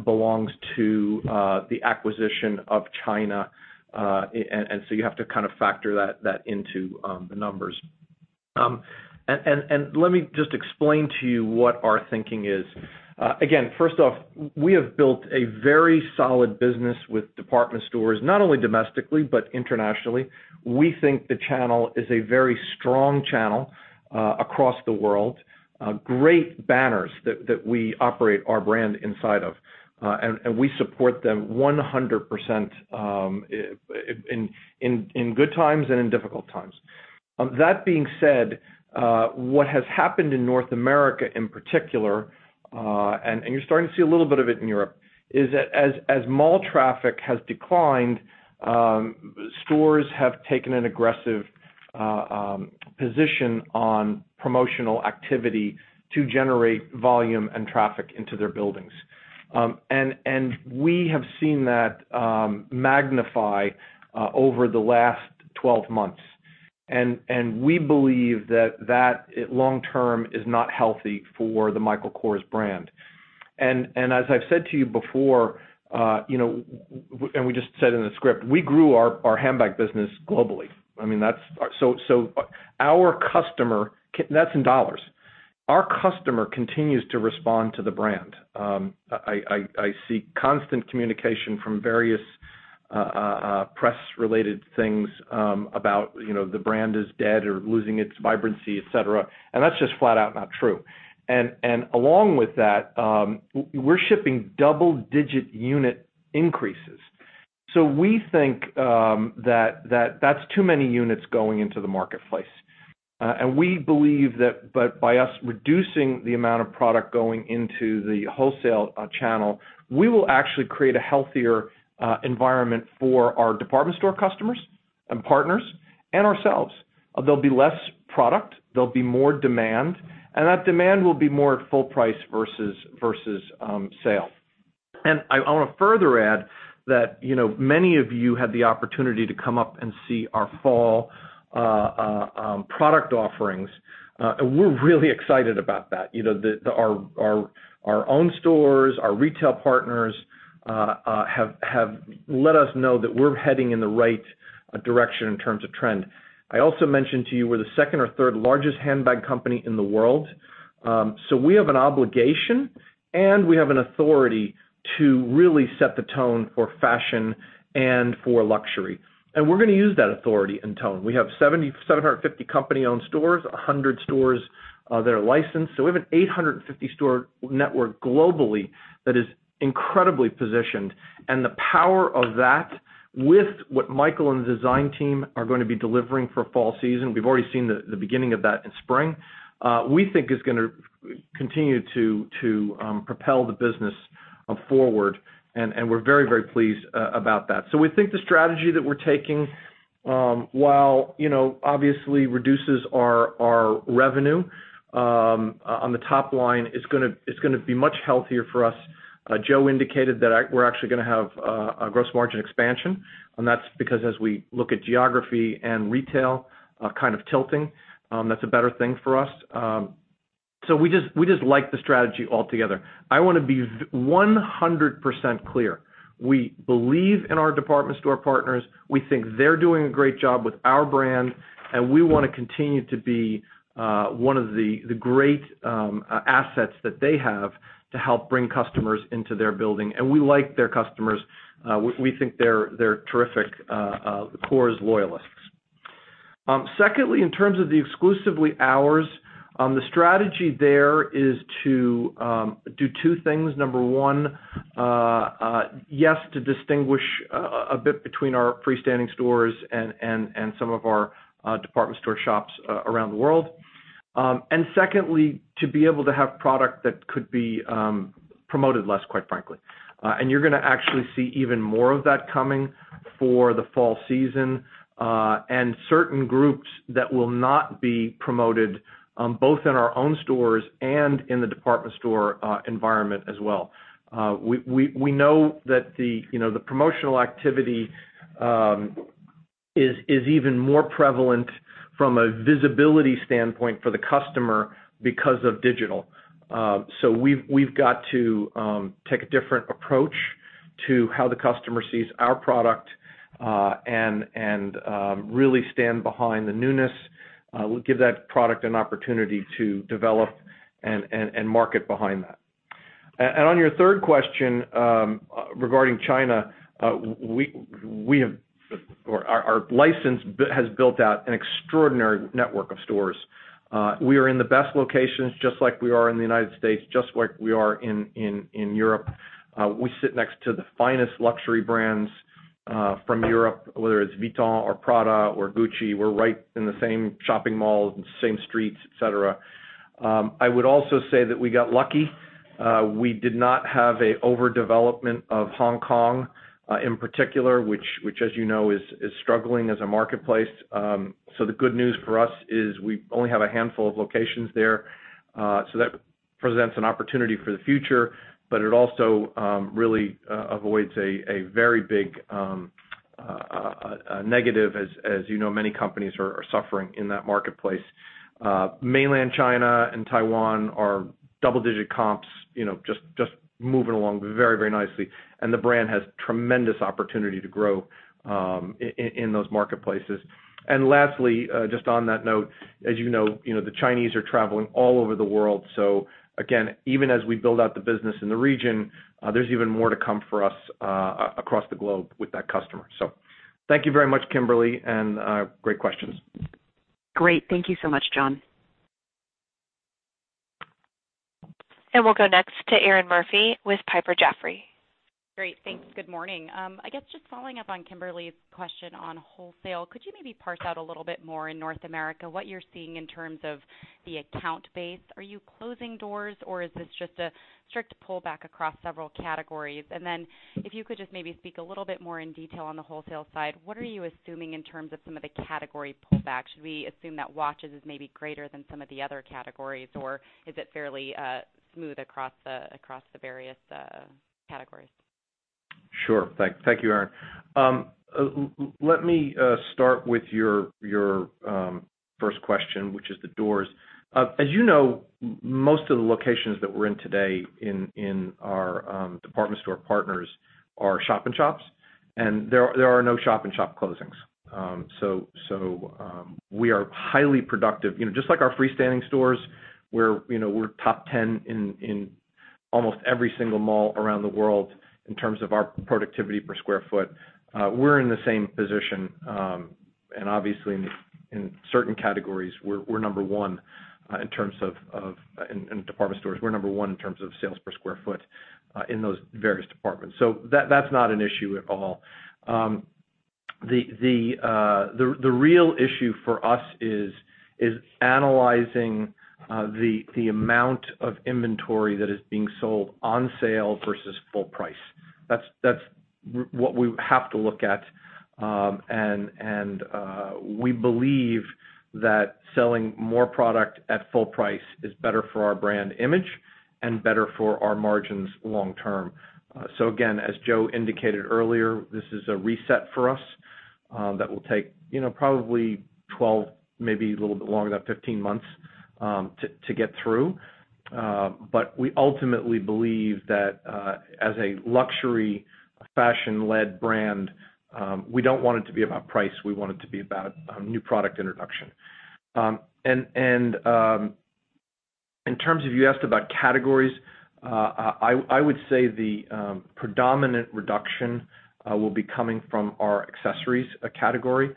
belongs to the acquisition of China. You have to factor that into the numbers. Let me just explain to you what our thinking is. Again, first off, we have built a very solid business with department stores, not only domestically but internationally. We think the channel is a very strong channel across the world. Great banners that we operate our brand inside of. We support them 100% in good times and in difficult times. That being said, what has happened in North America in particular, you're starting to see a little bit of it in Europe, is that as mall traffic has declined, stores have taken an aggressive position on promotional activity to generate volume and traffic into their buildings. We have seen that magnify over the last 12 months. We believe that long term is not healthy for the Michael Kors brand. As I've said to you before, we just said in the script, we grew our handbag business globally. That's in dollars. Our customer continues to respond to the brand. I see constant communication from various press related things about the brand is dead or losing its vibrancy, et cetera, that's just flat out not true. Along with that, we're shipping double-digit unit increases. We think that that's too many units going into the marketplace. We believe that by us reducing the amount of product going into the wholesale channel, we will actually create a healthier environment for our department store customers and partners and ourselves. There'll be less product, there'll be more demand, and that demand will be more at full price versus sale. I want to further add that, many of you had the opportunity to come up and see our Fall product offerings. We're really excited about that. Our own stores, our retail partners have let us know that we're heading in the right direction in terms of trend. I also mentioned to you we're the second or third largest handbag company in the world. We have an obligation and we have an authority to really set the tone for fashion and for luxury. We're going to use that authority and tone. We have 750 company-owned stores, 100 stores that are licensed. We have an 850 store network globally that is incredibly positioned. The power of that with what Michael and the design team are going to be delivering for Fall season, we've already seen the beginning of that in Spring, we think is going to continue to propel the business forward, and we're very, very pleased about that. We think the strategy that we're taking, while obviously reduces our revenue on the top line, it's going to be much healthier for us. Joe indicated that we're actually going to have a gross margin expansion, that's because as we look at geography and retail tilting, that's a better thing for us. We just like the strategy altogether. I want to be 100% clear. We believe in our department store partners, we think they're doing a great job with our brand, we want to continue to be one of the great assets that they have to help bring customers into their building. We like their customers. We think they're terrific Kors loyalists. Secondly, in terms of the exclusively ours, the strategy there is to do two things. Number 1, yes, to distinguish a bit between our freestanding stores and some of our department store shops around the world. Secondly, to be able to have product that could be promoted less, quite frankly. You're going to actually see even more of that coming for the Fall season, certain groups that will not be promoted both in our own stores and in the department store environment as well. We know that the promotional activity is even more prevalent from a visibility standpoint for the customer because of digital. We've got to take a different approach to how the customer sees our product, really stand behind the newness. We'll give that product an opportunity to develop and market behind that. On your third question, regarding China, our license has built out an extraordinary network of stores. We are in the best locations, just like we are in the U.S., just like we are in Europe. We sit next to the finest luxury brands from Europe, whether it's Vuitton or Prada or Gucci. We're right in the same shopping malls and same streets, et cetera. I would also say that we got lucky. We did not have an overdevelopment of Hong Kong, in particular, which as you know, is struggling as a marketplace. The good news for us is we only have a handful of locations there. That presents an opportunity for the future, but it also really avoids a very big negative, as you know, many companies are suffering in that marketplace. Mainland China and Taiwan are double-digit comps, just moving along very nicely. The brand has tremendous opportunity to grow in those marketplaces. Lastly, just on that note, as you know, the Chinese are traveling all over the world. Again, even as we build out the business in the region, there's even more to come for us, across the globe with that customer. Thank you very much, Kimberly, and great questions. Great. Thank you so much, John. We'll go next to Erinn Murphy with Piper Jaffray. Great. Thanks. Good morning. I guess just following up on Kimberly's question on wholesale, could you maybe parse out a little bit more in North America what you're seeing in terms of the account base? Are you closing doors, or is this just a strict pullback across several categories? If you could just maybe speak a little bit more in detail on the wholesale side, what are you assuming in terms of some of the category pullbacks? Should we assume that watches is maybe greater than some of the other categories, or is it fairly smooth across the various categories? Sure. Thank you, Erinn. Let me start with your first question, which is the doors. As you know, most of the locations that we're in today in our department store partners are shop-in-shops, and there are no shop-in-shop closings. We are highly productive. Just like our freestanding stores, we're top 10 in almost every single mall around the world in terms of our productivity per square foot. We're in the same position, and obviously in certain categories, we're number one in terms of department stores. We're number one in terms of sales per square foot, in those various departments. That's not an issue at all. The real issue for us is analyzing the amount of inventory that is being sold on sale versus full price. That's what we have to look at, we believe that selling more product at full price is better for our brand image and better for our margins long term. Again, as Joe indicated earlier, this is a reset for us, that will take probably 12, maybe a little bit longer, about 15 months to get through. We ultimately believe that as a luxury fashion-led brand, we don't want it to be about price. We want it to be about new product introduction. In terms of, you asked about categories, I would say the predominant reduction will be coming from our accessories category.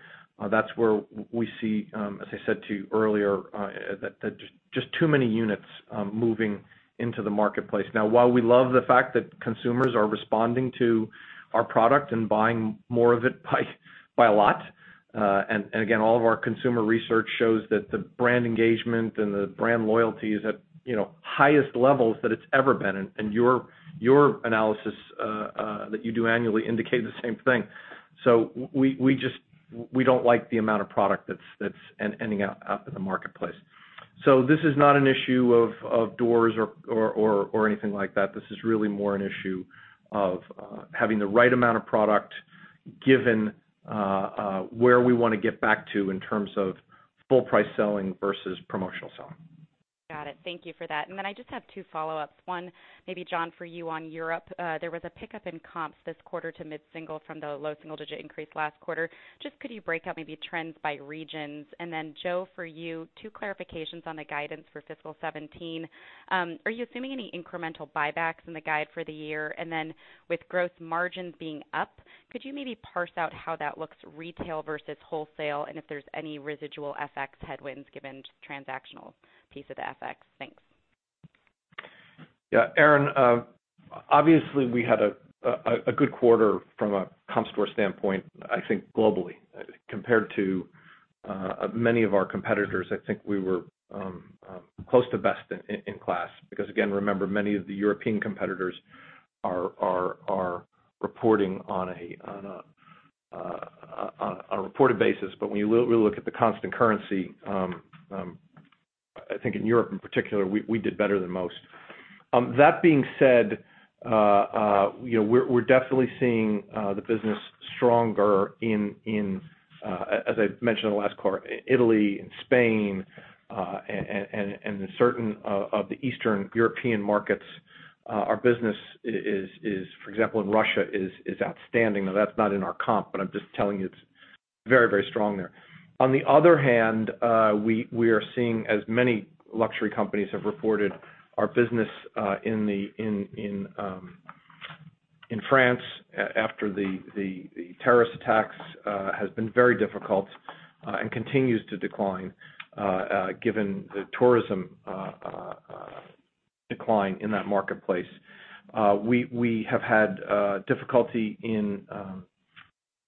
That's where we see, as I said to you earlier, that just too many units are moving into the marketplace. While we love the fact that consumers are responding to our product and buying more of it by a lot. Again, all of our consumer research shows that the brand engagement and the brand loyalty is at highest levels that it's ever been. Your analysis, that you do annually indicate the same thing. We don't like the amount of product that's ending up in the marketplace. This is not an issue of doors or anything like that. This is really more an issue of having the right amount of product given where we want to get back to in terms of full price selling versus promotional selling. Got it. Thank you for that. I just have two follow-ups. One, maybe John, for you on Europe. There was a pickup in comps this quarter to mid-single from the low single-digit increase last quarter. Just could you break out maybe trends by regions? Joe, for you, two clarifications on the guidance for fiscal 2017. Are you assuming any incremental buybacks in the guide for the year? With gross margins being up, could you maybe parse out how that looks retail versus wholesale, and if there's any residual FX headwinds given transactional piece of the FX? Thanks. Yeah, Erinn. Obviously, we had a good quarter from a comp store standpoint, I think globally. Compared to many of our competitors, I think we were close to best in class because again, remember, many of the European competitors are reporting on a reported basis. When you really look at the constant currency, I think in Europe in particular, we did better than most. That being said, we're definitely seeing the business stronger in, as I mentioned in the last quarter, Italy and Spain, and in certain of the Eastern European markets. Our business is, for example, in Russia, is outstanding. Now, that's not in our comp, but I'm just telling you it's very strong there. On the other hand, we are seeing as many luxury companies have reported our business in France after the terrorist attacks, has been very difficult, and continues to decline, given the tourism decline in that marketplace. We have had difficulty in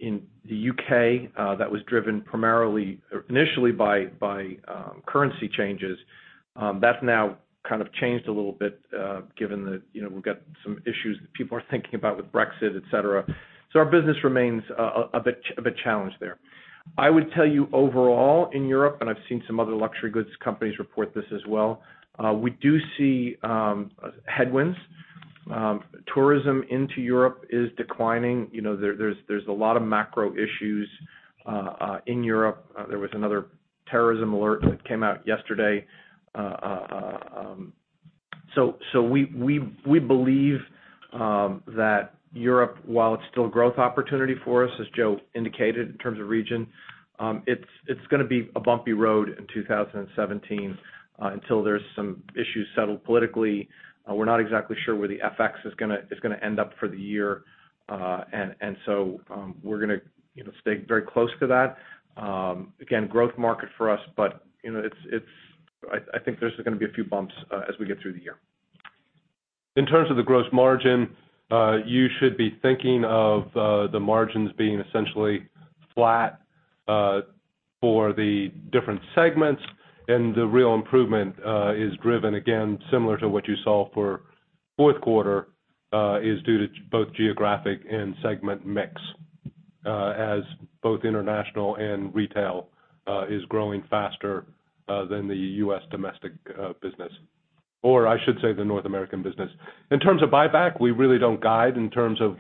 the U.K., that was driven primarily initially by currency changes. That's now kind of changed a little bit, given that we've got some issues that people are thinking about with Brexit, et cetera. Our business remains a bit of a challenge there. I would tell you overall in Europe, and I've seen some other luxury goods companies report this as well. We do see headwinds Tourism into Europe is declining. There's a lot of macro issues in Europe. There was another terrorism alert that came out yesterday. We believe that Europe, while it's still a growth opportunity for us, as Joe indicated in terms of region, it's going to be a bumpy road in 2017, until there's some issues settled politically. We're not exactly sure where the FX is going to end up for the year. We're going to stay very close to that. Again, growth market for us, but I think there's going to be a few bumps as we get through the year. In terms of the gross margin, you should be thinking of the margins being essentially flat for the different segments. The real improvement is driven, again, similar to what you saw for fourth quarter, is due to both geographic and segment mix, as both international and retail is growing faster than the U.S. domestic business, or I should say the North American business. In terms of buyback, we really don't guide in terms of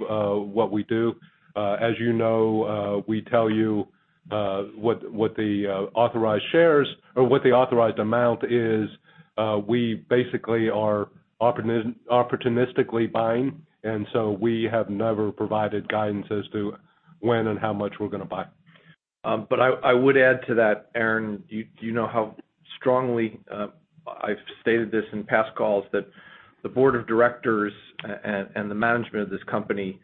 what we do. As you know, we tell you what the authorized amount is. We basically are opportunistically buying. We have never provided guidance as to when and how much we're going to buy. I would add to that, Erinn, you know how strongly I've stated this in past calls, that the board of directors and the management of this company,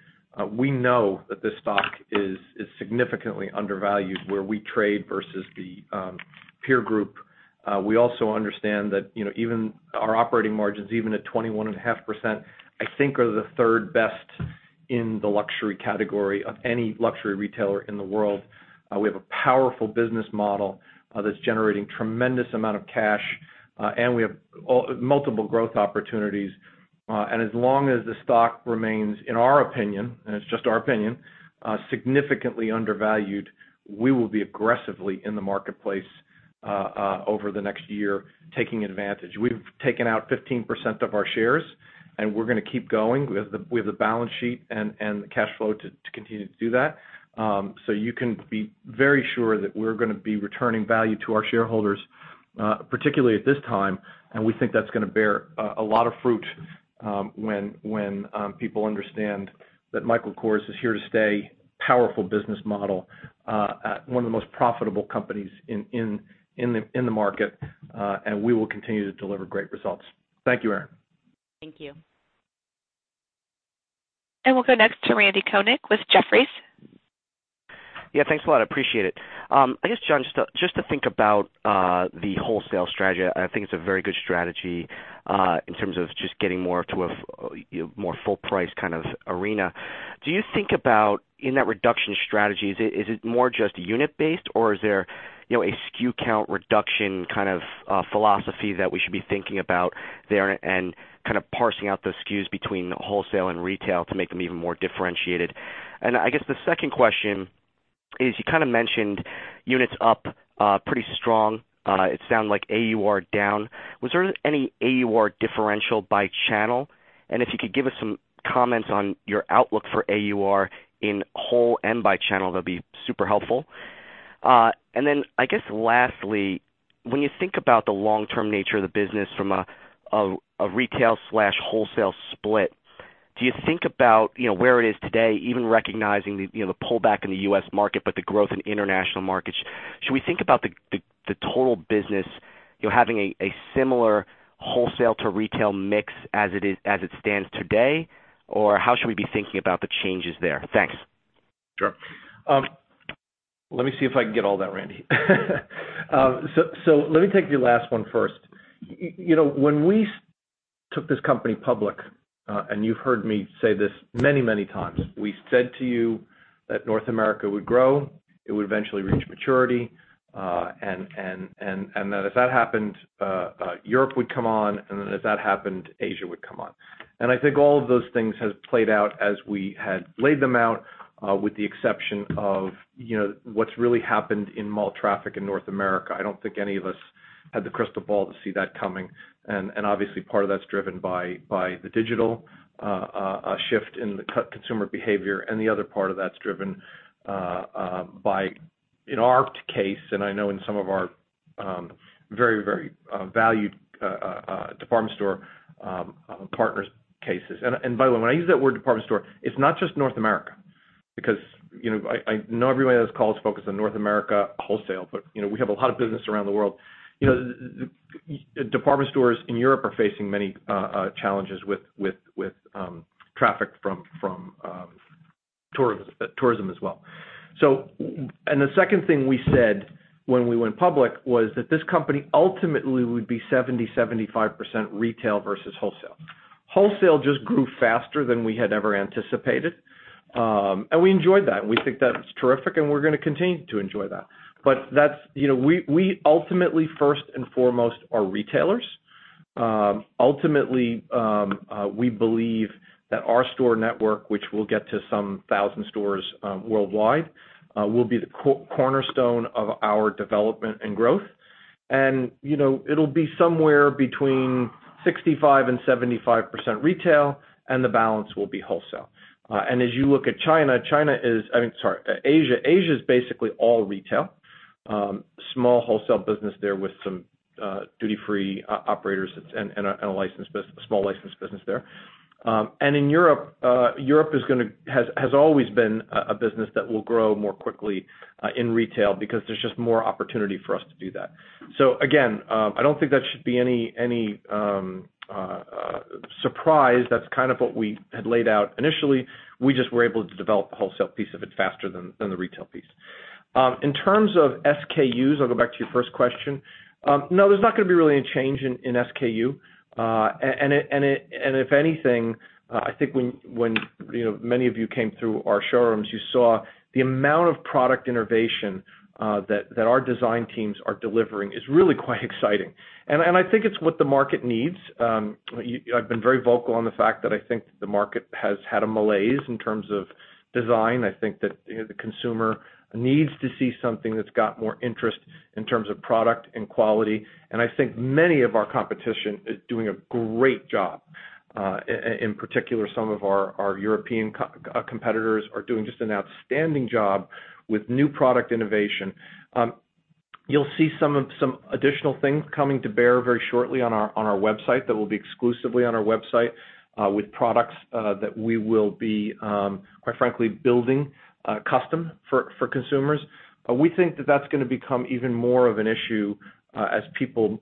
we know that this stock is significantly undervalued where we trade versus the peer group. We also understand that our operating margins, even at 21.5%, I think are the third best in the luxury category of any luxury retailer in the world. We have a powerful business model that's generating tremendous amount of cash. We have multiple growth opportunities. As long as the stock remains, in our opinion, and it's just our opinion, significantly undervalued, we will be aggressively in the marketplace over the next year, taking advantage. We've taken out 15% of our shares. We're going to keep going. We have the balance sheet and the cash flow to continue to do that. You can be very sure that we're going to be returning value to our shareholders, particularly at this time. We think that's going to bear a lot of fruit when people understand that Michael Kors is here to stay. Powerful business model, one of the most profitable companies in the market. We will continue to deliver great results. Thank you, Erinn. Thank you. We'll go next to Randal Konik with Jefferies. Yeah, thanks a lot. I appreciate it. I guess, John, just to think about the wholesale strategy, I think it's a very good strategy, in terms of just getting more to a more full price kind of arena. Do you think about, in that reduction strategy, is it more just unit based, or is there a SKU count reduction philosophy that we should be thinking about there and parsing out those SKUs between wholesale and retail to make them even more differentiated? I guess the second question is, you mentioned units up pretty strong. It sounded like AUR down. Was there any AUR differential by channel? If you could give us some comments on your outlook for AUR in whole and by channel, that'd be super helpful. I guess lastly, when you think about the long-term nature of the business from a retail/wholesale split, do you think about where it is today, even recognizing the pullback in the U.S. market, but the growth in international markets. Should we think about the total business having a similar wholesale to retail mix as it stands today, or how should we be thinking about the changes there? Thanks. Sure. Let me see if I can get all that, Randy. Let me take the last one first. When we took this company public, and you've heard me say this many times, we said to you that North America would grow, it would eventually reach maturity, and that if that happened, Europe would come on, and then if that happened, Asia would come on. I think all of those things have played out as we had laid them out with the exception of what's really happened in mall traffic in North America. I don't think any of us had the crystal ball to see that coming, and obviously part of that's driven by the digital shift in the consumer behavior, and the other part of that's driven by, in our case, and I know in some of our very valued department store partners' cases. When I use that word department store, it's not just North America, because I know everybody on this call is focused on North America wholesale, but we have a lot of business around the world. Department stores in Europe are facing many challenges with traffic from tourism as well. The second thing we said when we went public was that this company ultimately would be 70%-75% retail versus wholesale. Wholesale just grew faster than we had ever anticipated. We enjoyed that, and we think that's terrific, and we're going to continue to enjoy that. We ultimately, first and foremost, are retailers. Ultimately, we believe that our store network, which will get to some 1,000 stores worldwide, will be the cornerstone of our development and growth. It'll be somewhere between 65%-75% retail, and the balance will be wholesale. As you look at China, Asia. Asia is basically all retail. Small wholesale business there with some duty-free operators and a small licensed business there. In Europe has always been a business that will grow more quickly in retail because there's just more opportunity for us to do that. Again, I don't think that should be any surprise. That's kind of what we had laid out initially. We just were able to develop the wholesale piece of it faster than the retail piece. In terms of SKUs, I'll go back to your first question. No, there's not going to be really any change in SKU. If anything, I think when many of you came through our showrooms, you saw the amount of product innovation that our design teams are delivering is really quite exciting. I think it's what the market needs. I've been very vocal on the fact that I think the market has had a malaise in terms of design. I think that the consumer needs to see something that's got more interest in terms of product and quality. I think many of our competition is doing a great job. In particular, some of our European competitors are doing just an outstanding job with new product innovation. You'll see some additional things coming to bear very shortly on our website that will be exclusively on our website, with products that we will be, quite frankly, building custom for consumers. We think that that's going to become even more of an issue as people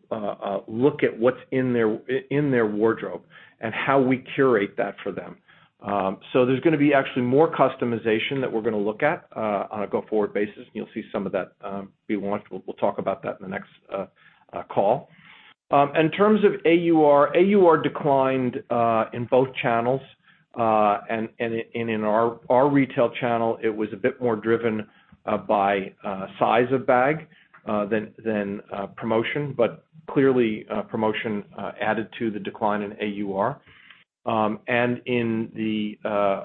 look at what's in their wardrobe and how we curate that for them. There's going to be actually more customization that we're going to look at on a go-forward basis. You'll see some of that be launched. We'll talk about that in the next call. In terms of AUR declined in both channels. In our retail channel, it was a bit more driven by size of bag than promotion. Clearly, promotion added to the decline in AUR. In the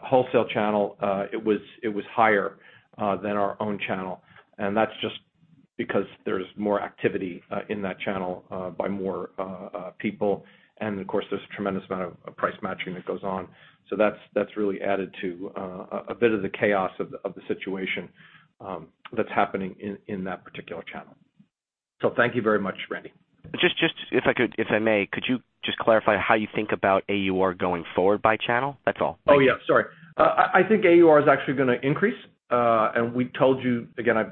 wholesale channel, it was higher than our own channel. That's just because there's more activity in that channel by more people. Of course, there's a tremendous amount of price matching that goes on. That's really added to a bit of the chaos of the situation that's happening in that particular channel. Thank you very much, Randy. Just if I may, could you just clarify how you think about AUR going forward by channel? That's all. Thank you. Oh, yeah. Sorry. I think AUR is actually going to increase. We told you, again, I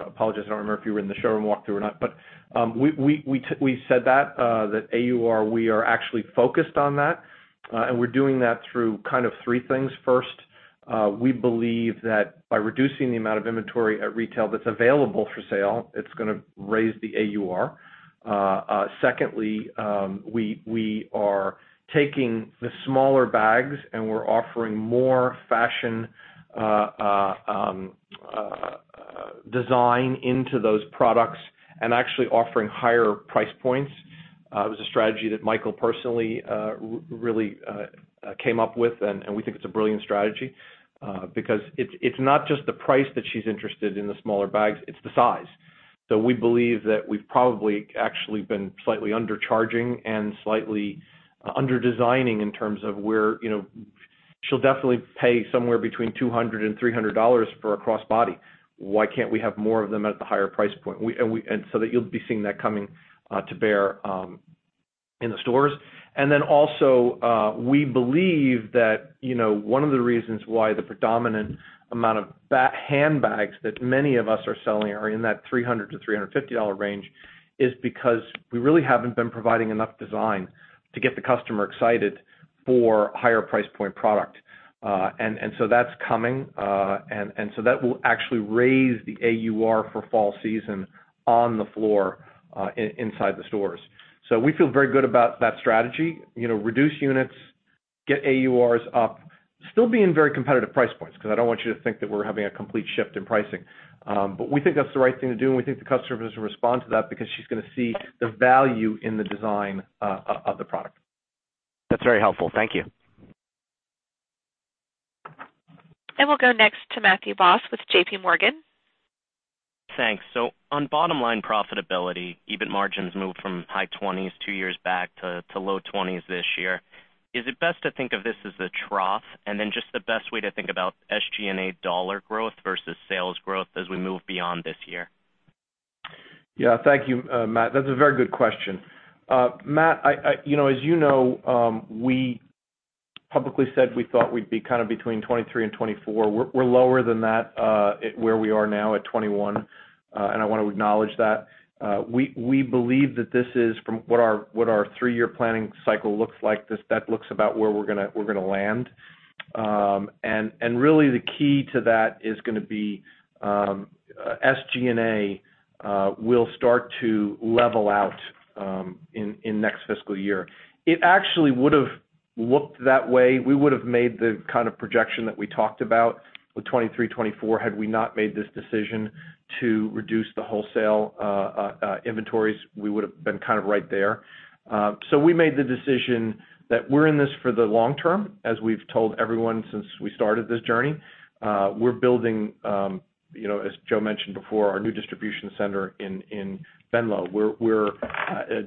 apologize, I don't remember if you were in the showroom walkthrough or not, we said that AUR, we are actually focused on that, and we're doing that through kind of three things. First, we believe that by reducing the amount of inventory at retail that's available for sale, it's going to raise the AUR. Secondly, we are taking the smaller bags and we're offering more fashion design into those products and actually offering higher price points. It was a strategy that Michael personally really came up with, and we think it's a brilliant strategy. It's not just the price that she's interested in the smaller bags, it's the size. We believe that we've probably actually been slightly undercharging and slightly under-designing in terms of where she'll definitely pay somewhere between $200-$300 for a crossbody. Why can't we have more of them at the higher price point? You'll be seeing that coming to bear in the stores. We believe that one of the reasons why the predominant amount of handbags that many of us are selling are in that $300-$350 range is because we really haven't been providing enough design to get the customer excited for higher price point product. That's coming. That will actually raise the AUR for fall season on the floor inside the stores. We feel very good about that strategy. Reduce units, get AURs up, still be in very competitive price points, because I don't want you to think that we're having a complete shift in pricing. We think that's the right thing to do, and we think the customer is going to respond to that because she's going to see the value in the design of the product. That's very helpful. Thank you. We'll go next to Matthew Boss with JPMorgan. Thanks. On bottom line profitability, EBIT margins moved from high 20s two years back to low 20s this year. Is it best to think of this as a trough? Just the best way to think about SG&A dollar growth versus sales growth as we move beyond this year. Yeah. Thank you, Matt. That's a very good question. Matt, as you know, we publicly said we thought we'd be kind of between 23 and 24. We're lower than that where we are now at 21, and I want to acknowledge that. We believe that this is from what our three-year planning cycle looks like, that looks about where we're going to land. Really the key to that is going to be SG&A will start to level out in next fiscal year. It actually would have looked that way. We would have made the kind of projection that we talked about with 23, 24 had we not made this decision to reduce the wholesale inventories, we would have been kind of right there. We made the decision that we're in this for the long term, as we've told everyone since we started this journey. We're building. As Joe mentioned before, our new distribution center in Venlo. We're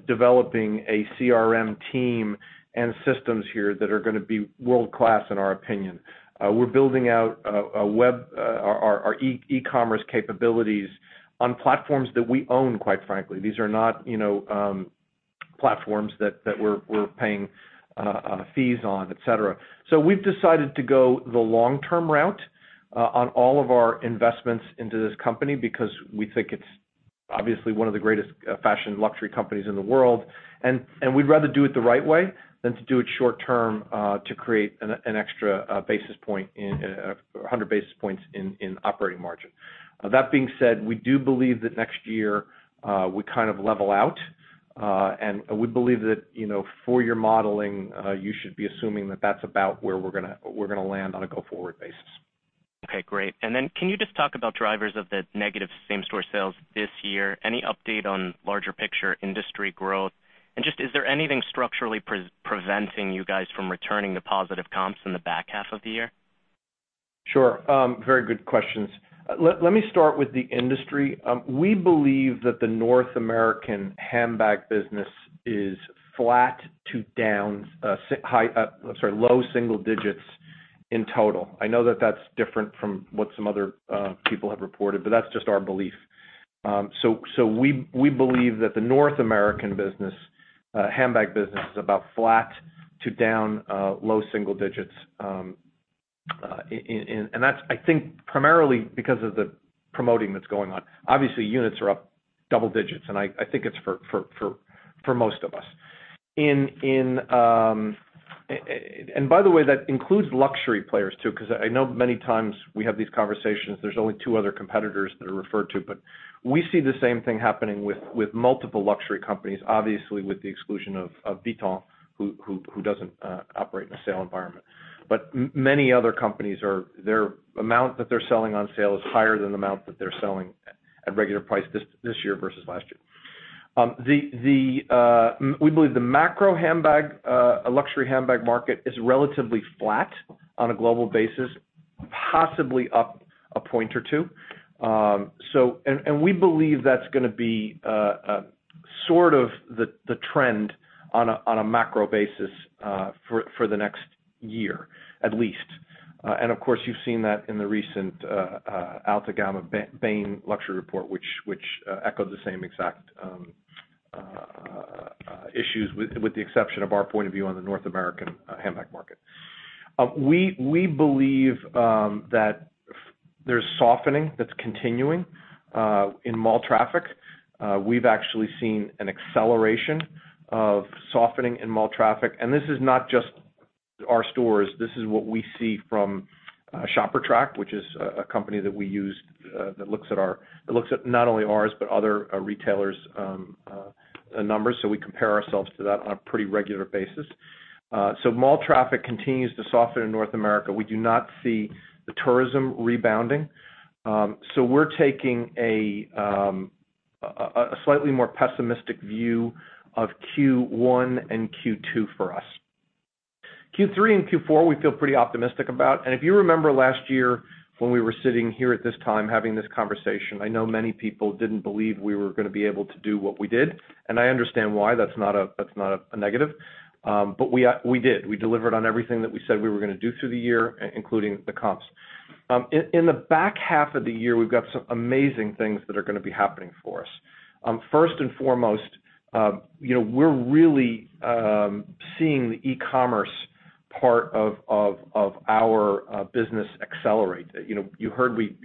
developing a CRM team and systems here that are going to be world-class, in our opinion. We're building out our e-commerce capabilities on platforms that we own, quite frankly. These are not platforms that we're paying fees on, et cetera. We've decided to go the long-term route on all of our investments into this company, because we think it's obviously one of the greatest fashion luxury companies in the world, and we'd rather do it the right way than to do it short-term to create an extra 100 basis points in operating margin. That being said, we do believe that next year, we level out. We believe that for your modeling, you should be assuming that that's about where we're going to land on a go-forward basis. Okay, great. Can you just talk about drivers of the negative same-store sales this year? Any update on larger picture industry growth? Is there anything structurally preventing you guys from returning to positive comps in the back half of the year? Sure. Very good questions. Let me start with the industry. We believe that the North American handbag business is flat to low single digits in total. I know that that's different from what some other people have reported, but that's just our belief. We believe that the North American handbag business is about flat to down low single digits, and that's, I think, primarily because of the promoting that's going on. Obviously, units are up double digits, and I think it's for most of us. By the way, that includes luxury players too, because I know many times we have these conversations, there's only two other competitors that are referred to, but we see the same thing happening with multiple luxury companies, obviously, with the exclusion of Vuitton, who doesn't operate in a sale environment. Many other companies, their amount that they're selling on sale is higher than the amount that they're selling at regular price this year versus last year. We believe the macro luxury handbag market is relatively flat on a global basis, possibly up a point or two. We believe that's going to be the trend on a macro basis for the next year, at least. Of course, you've seen that in the recent Altagamma Bain luxury report, which echoed the same exact issues, with the exception of our point of view on the North American handbag market. We believe that there's softening that's continuing in mall traffic. We've actually seen an acceleration of softening in mall traffic. This is not just our stores. This is what we see from ShopperTrak, which is a company that we use that looks at not only ours but other retailers' numbers, we compare ourselves to that on a pretty regular basis. Mall traffic continues to soften in North America. We do not see the tourism rebounding. We're taking a slightly more pessimistic view of Q1 and Q2 for us. Q3 and Q4, we feel pretty optimistic about. If you remember last year when we were sitting here at this time having this conversation, I know many people didn't believe we were going to be able to do what we did, and I understand why. That's not a negative. We did. We delivered on everything that we said we were going to do through the year, including the comps. In the back half of the year, we've got some amazing things that are going to be happening for us. First and foremost, we're really seeing the e-commerce part of our business accelerate. You heard we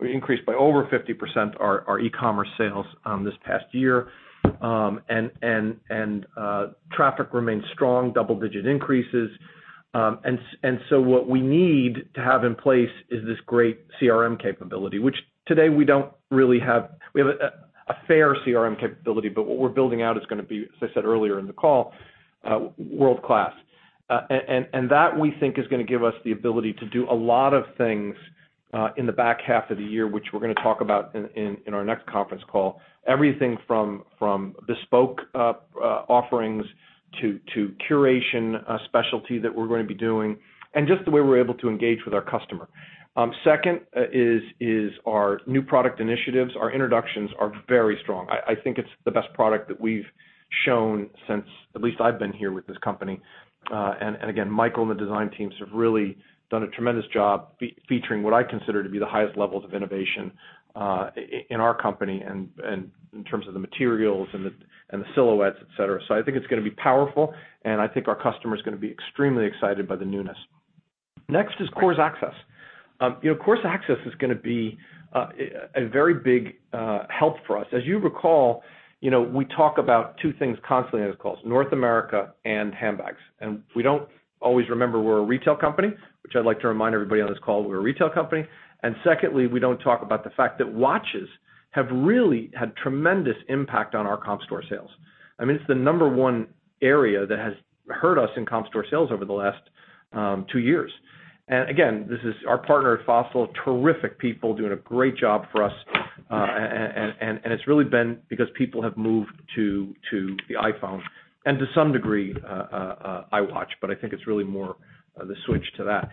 increased by over 50% our e-commerce sales this past year. Traffic remains strong, double-digit increases. What we need to have in place is this great CRM capability, which today we don't really have. We have a fair CRM capability, but what we're building out is going to be, as I said earlier in the call, world-class. That, we think, is going to give us the ability to do a lot of things in the back half of the year, which we're going to talk about in our next conference call. Everything from bespoke offerings to curation specialty that we're going to be doing, and just the way we're able to engage with our customer. Second is our new product initiatives. Our introductions are very strong. I think it's the best product that we've shown since at least I've been here with this company. Again, Michael and the design teams have really done a tremendous job featuring what I consider to be the highest levels of innovation in our company and in terms of the materials and the silhouettes, et cetera. I think it's going to be powerful, and I think our customer is going to be extremely excited by the newness. Next is Kors Access. Kors Access is going to be a very big help for us. As you recall, we talk about two things constantly on these calls, North America and handbags. We don't always remember we're a retail company, which I'd like to remind everybody on this call we're a retail company. Secondly, we don't talk about the fact that watches have really had tremendous impact on our comp store sales. It's the number one area that has hurt us in comp store sales over the last two years. Again, this is our partner at Fossil, terrific people doing a great job for us. It's really been because people have moved to the iPhone and to some degree, Apple Watch, but I think it's really more the switch to that.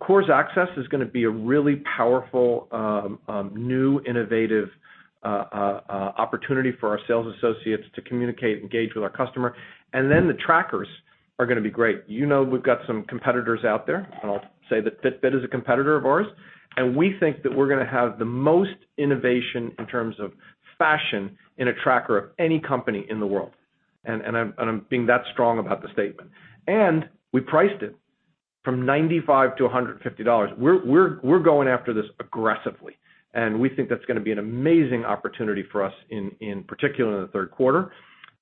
Kors Access is going to be a really powerful, new, innovative opportunity for our sales associates to communicate, engage with our customer. The trackers are going to be great. You know we've got some competitors out there. I'll say that Fitbit is a competitor of ours. We think that we're going to have the most innovation in terms of fashion in a tracker of any company in the world. I'm being that strong about the statement. We priced it from $95-$150. We're going after this aggressively. We think that's going to be an amazing opportunity for us, in particular in the third quarter.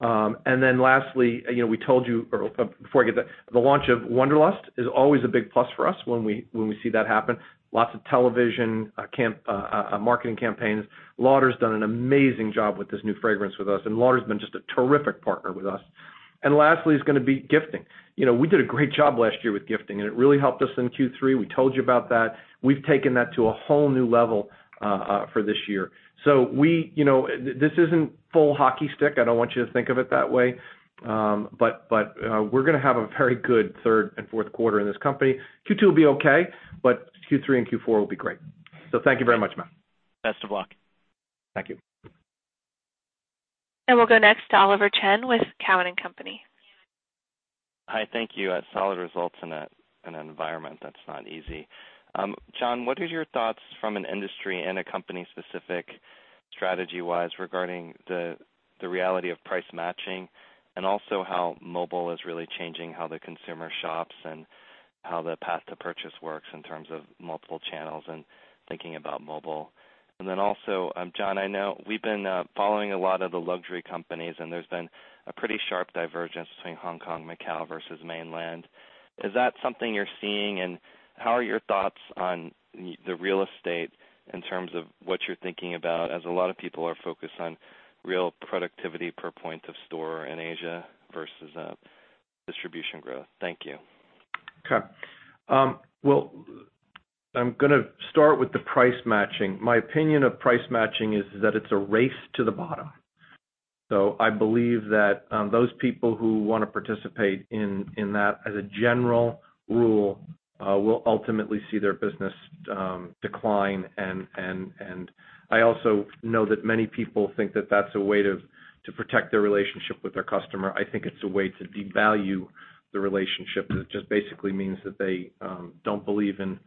Lastly, before I get that, the launch of Wonderlust is always a big plus for us when we see that happen. Lots of television marketing campaigns. Lauder has done an amazing job with this new fragrance with us. Lauder has been just a terrific partner with us. Lastly is going to be gifting. We did a great job last year with gifting. It really helped us in Q3. We told you about that. We've taken that to a whole new level for this year. This isn't full hockey stick. I don't want you to think of it that way. We're going to have a very good third and fourth quarter in this company. Q2 will be okay. Q3 and Q4 will be great. Thank you very much, Matt. Best of luck. Thank you. We'll go next to Oliver Chen with Cowen and Company. Hi, thank you. Solid results in an environment that's not easy. John, what are your thoughts from an industry and a company specific strategy-wise regarding the reality of price matching? Also how mobile is really changing how the consumer shops and how the path to purchase works in terms of multiple channels and thinking about mobile. Also John, I know we've been following a lot of the luxury companies, and there's been a pretty sharp divergence between Hong Kong and Macau versus mainland. Is that something you're seeing, and how are your thoughts on the real estate in terms of what you're thinking about, as a lot of people are focused on real productivity per point of store in Asia versus distribution growth. Thank you. Okay. Well, I'm going to start with the price matching. My opinion of price matching is that it's a race to the bottom. I believe that those people who want to participate in that, as a general rule, will ultimately see their business decline. I also know that many people think that that's a way to protect their relationship with their customer. I think it's a way to devalue the relationship, and it just basically means that they don't believe in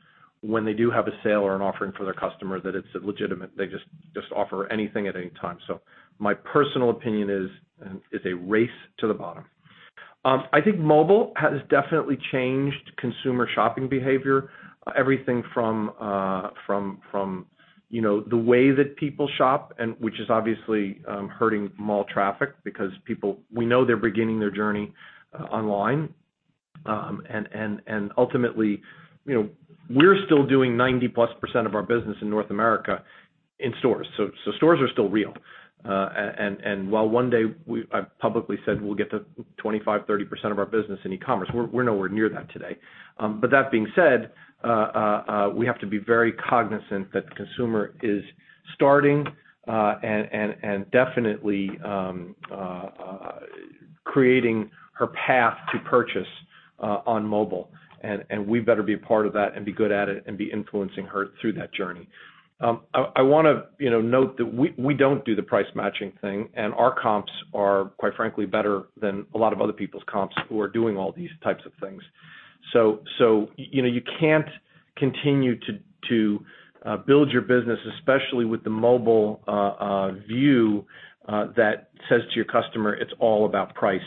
when they do have a sale or an offering for their customer, that it's legitimate. They just offer anything at any time. My personal opinion is a race to the bottom. I think mobile has definitely changed consumer shopping behavior. Everything from the way that people shop, which is obviously hurting mall traffic because people, we know they're beginning their journey online. Ultimately, we're still doing 90-plus % of our business in North America in stores. Stores are still real. While one day I publicly said we'll get to 25%, 30% of our business in e-commerce, we're nowhere near that today. That being said, we have to be very cognizant that the consumer is starting and definitely creating her path to purchase on mobile. We better be a part of that and be good at it and be influencing her through that journey. I want to note that we don't do the price matching thing, and our comps are, quite frankly, better than a lot of other people's comps who are doing all these types of things. You can't continue to build your business, especially with the mobile view that says to your customer, it's all about price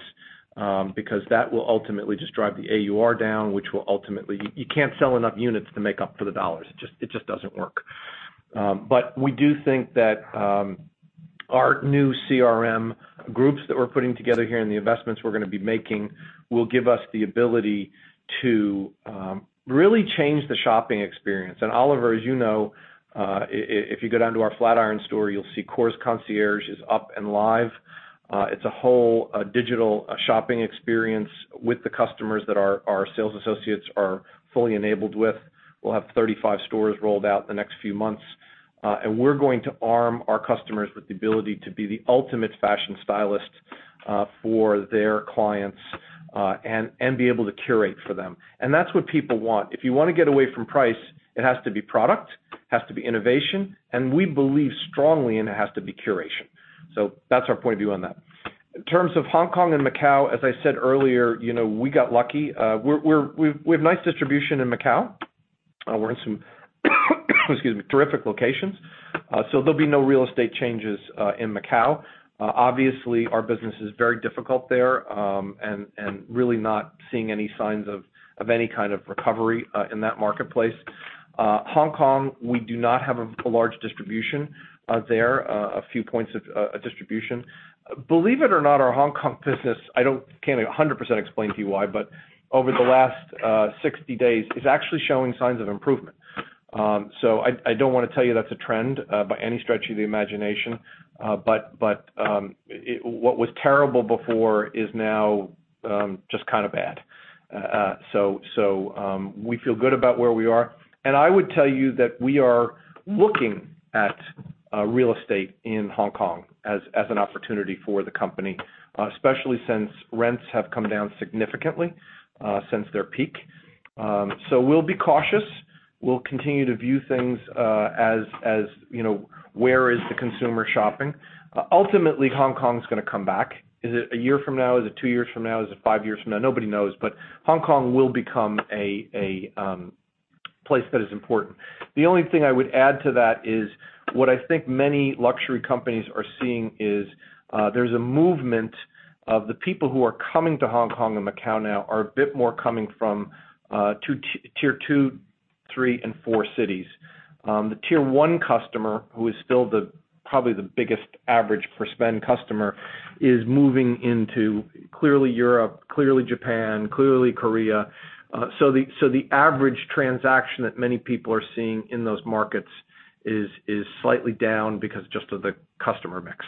because that will ultimately just drive the AUR down. You can't sell enough units to make up for the dollars. It just doesn't work. We do think that our new CRM groups that we're putting together here and the investments we're going to be making will give us the ability to really change the shopping experience. Oliver, as you know, if you go down to our Flatiron store, you'll see Kors Concierge is up and live. It's a whole digital shopping experience with the customers that our sales associates are fully enabled with. We'll have 35 stores rolled out in the next few months. We're going to arm our customers with the ability to be the ultimate fashion stylist for their clients and be able to curate for them. That's what people want. If you want to get away from price, it has to be product, it has to be innovation, and we believe strongly, it has to be curation. That's our point of view on that. In terms of Hong Kong and Macau, as I said earlier, we got lucky. We have nice distribution in Macau. We're in some excuse me, terrific locations. There'll be no real estate changes in Macau. Obviously, our business is very difficult there and really not seeing any signs of any kind of recovery in that marketplace. Hong Kong, we do not have a large distribution there, a few points of distribution. Believe it or not, our Hong Kong business, I can't 100% explain to you why, but over the last 60 days, is actually showing signs of improvement. I don't want to tell you that's a trend by any stretch of the imagination. What was terrible before is now just kind of bad. We feel good about where we are. I would tell you that we are looking at real estate in Hong Kong as an opportunity for the company, especially since rents have come down significantly since their peak. We'll be cautious. We'll continue to view things as where is the consumer shopping. Ultimately, Hong Kong's going to come back. Is it a year from now? Is it two years from now? Is it five years from now? Nobody knows. Hong Kong will become a place that is important. The only thing I would add to that is what I think many luxury companies are seeing is there's a movement of the people who are coming to Hong Kong and Macau now are a bit more coming from tier 2, 3 and 4 cities. The tier 1 customer, who is still probably the biggest average per spend customer, is moving into clearly Europe, clearly Japan, clearly Korea. The average transaction that many people are seeing in those markets is slightly down because just of the customer mix.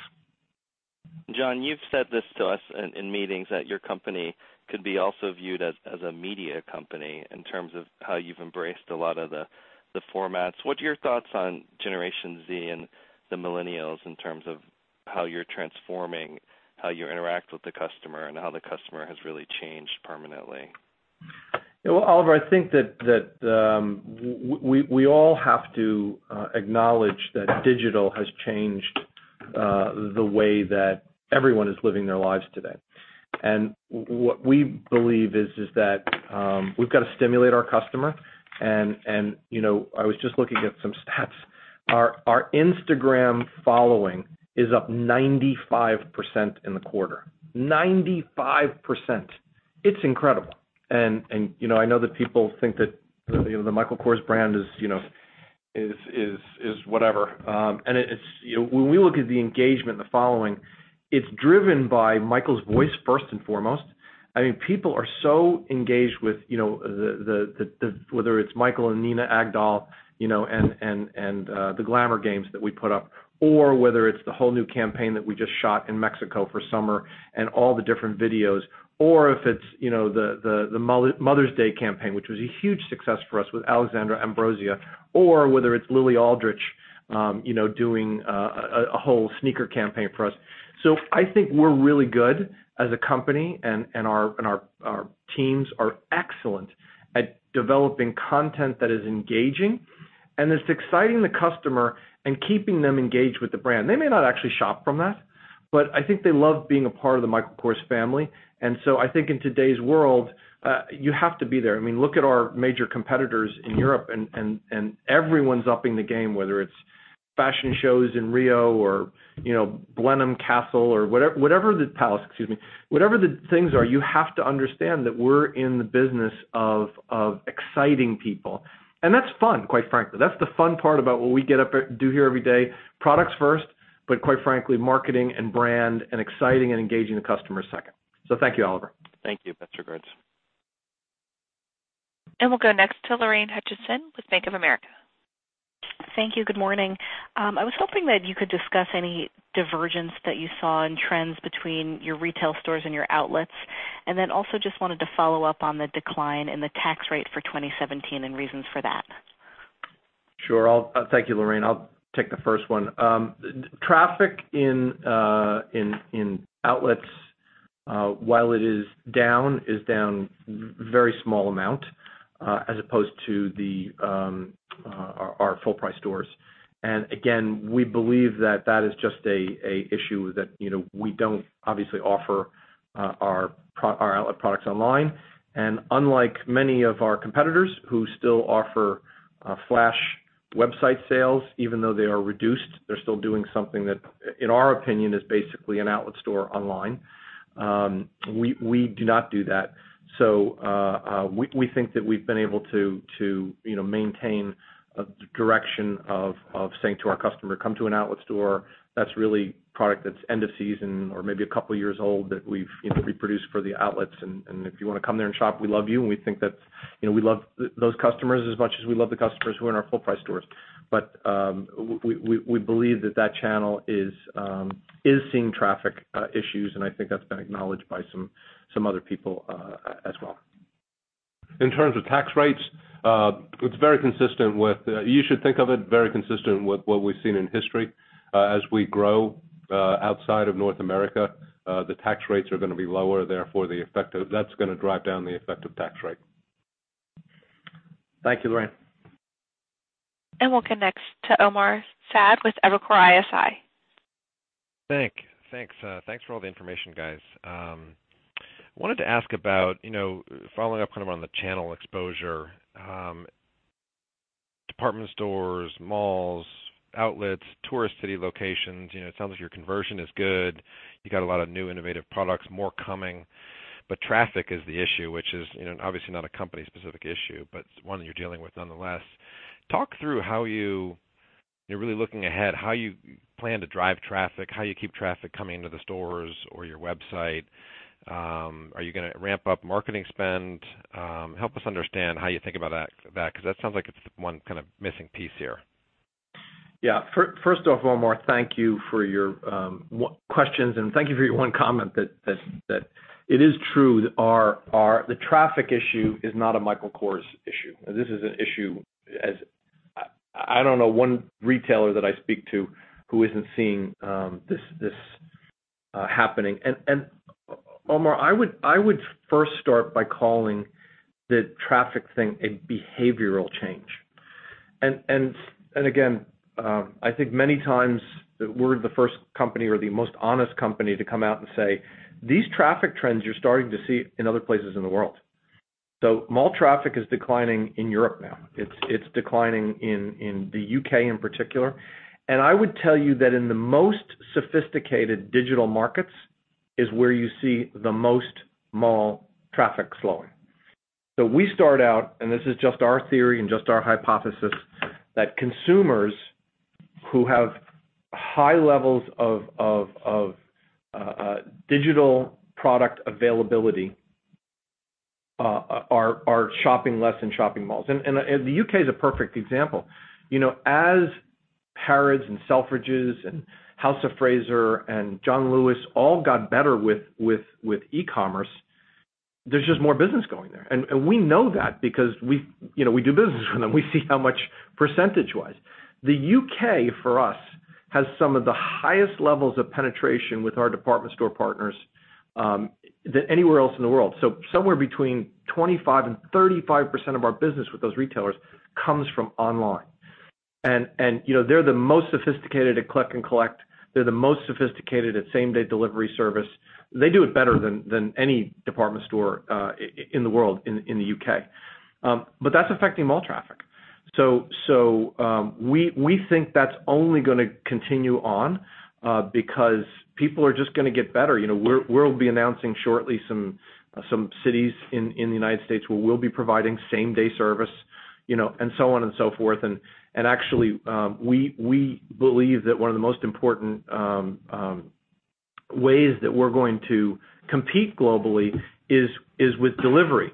John, you've said this to us in meetings that your company could be also viewed as a media company in terms of how you've embraced a lot of the formats. What are your thoughts on Generation Z and the millennials in terms of how you're transforming, how you interact with the customer, and how the customer has really changed permanently? Well, Oliver, I think that we all have to acknowledge that digital has changed the way that everyone is living their lives today. What we believe is that we've got to stimulate our customer, and I was just looking at some stats. Our Instagram following is up 95% in the quarter. 95%. It's incredible. I know that people think that the Michael Kors brand is whatever. When we look at the engagement and the following, it's driven by Michael's voice, first and foremost. People are so engaged with whether it's Michael and Nina Agdal, and the glamour games that we put up, or whether it's the whole new campaign that we just shot in Mexico for summer and all the different videos. If it's the Mother's Day campaign, which was a huge success for us with Alessandra Ambrosio, or whether it's Lily Aldridge doing a whole sneaker campaign for us. I think we're really good as a company, and our teams are excellent at developing content that is engaging, and that's exciting the customer and keeping them engaged with the brand. They may not actually shop from us, but I think they love being a part of the Michael Kors family. I think in today's world, you have to be there. Look at our major competitors in Europe, and everyone's upping the game, whether it's fashion shows in Rio or Blenheim Palace. Whatever the things are, you have to understand that we're in the business of exciting people, and that's fun, quite frankly. That's the fun part about what we get up and do here every day. Products first, quite frankly, marketing and brand, and exciting and engaging the customer second. Thank you, Oliver. Thank you. Best regards. We'll go next to Lorraine Hutchinson with Bank of America. Thank you. Good morning. I was hoping that you could discuss any divergence that you saw in trends between your retail stores and your outlets, and then also just wanted to follow up on the decline in the tax rate for 2017 and reasons for that. Sure. Thank you, Lorraine. I'll take the first one. Traffic in outlets, while it is down, is down very small amount as opposed to our full-price stores. Again, we believe that that is just a issue that we don't obviously offer our outlet products online. Unlike many of our competitors who still offer flash website sales, even though they are reduced, they're still doing something that, in our opinion, is basically an outlet store online. We do not do that. We think that we've been able to maintain a direction of saying to our customer, "Come to an outlet store." That's really product that's end of season or maybe a couple of years old that we've reproduced for the outlets. If you want to come there and shop, we love you, and we think that we love those customers as much as we love the customers who are in our full-price stores. We believe that that channel is seeing traffic issues, and I think that's been acknowledged by some other people as well. In terms of tax rates, you should think of it very consistent with what we've seen in history. As we grow outside of North America, the tax rates are going to be lower, therefore, that's going to drive down the effective tax rate. Thank you, Lorraine. We'll connect to Omar Saad with Evercore ISI. Thanks for all the information, guys. Wanted to ask about following up on the channel exposure. Department stores, malls, outlets, tourist city locations. It sounds like your conversion is good. You got a lot of new innovative products, more coming. Traffic is the issue, which is obviously not a company specific issue, but one that you're dealing with nonetheless. Talk through how you, really looking ahead, how you plan to drive traffic, how you keep traffic coming into the stores or your website. Are you going to ramp up marketing spend? Help us understand how you think about that, because that sounds like it's one missing piece here. First off, Omar, thank you for your questions, and thank you for your one comment that it is true that the traffic issue is not a Michael Kors issue. This is an issue as I don't know one retailer that I speak to who isn't seeing this happening. Omar, I would first start by calling the traffic thing a behavioral change. Again, I think many times that we're the first company or the most honest company to come out and say, "These traffic trends you're starting to see in other places in the world." Mall traffic is declining in Europe now. It's declining in the U.K. in particular. I would tell you that in the most sophisticated digital markets is where you see the most mall traffic slowing. We start out, and this is just our theory and just our hypothesis, that consumers who have high levels of digital product availability are shopping less in shopping malls. The U.K. is a perfect example. As Harrods and Selfridges and House of Fraser and John Lewis all got better with e-commerce, there's just more business going there. We know that because we do business with them. We see how much percentage-wise. The U.K., for us, has some of the highest levels of penetration with our department store partners than anywhere else in the world. Somewhere between 25% and 35% of our business with those retailers comes from online. They're the most sophisticated at click and collect. They're the most sophisticated at same-day delivery service. They do it better than any department store in the world, in the U.K. That's affecting mall traffic. We think that's only going to continue on because people are just going to get better. We'll be announcing shortly some cities in the U.S. where we'll be providing same-day service, and so on and so forth. Actually, we believe that one of the most important ways that we're going to compete globally is with delivery.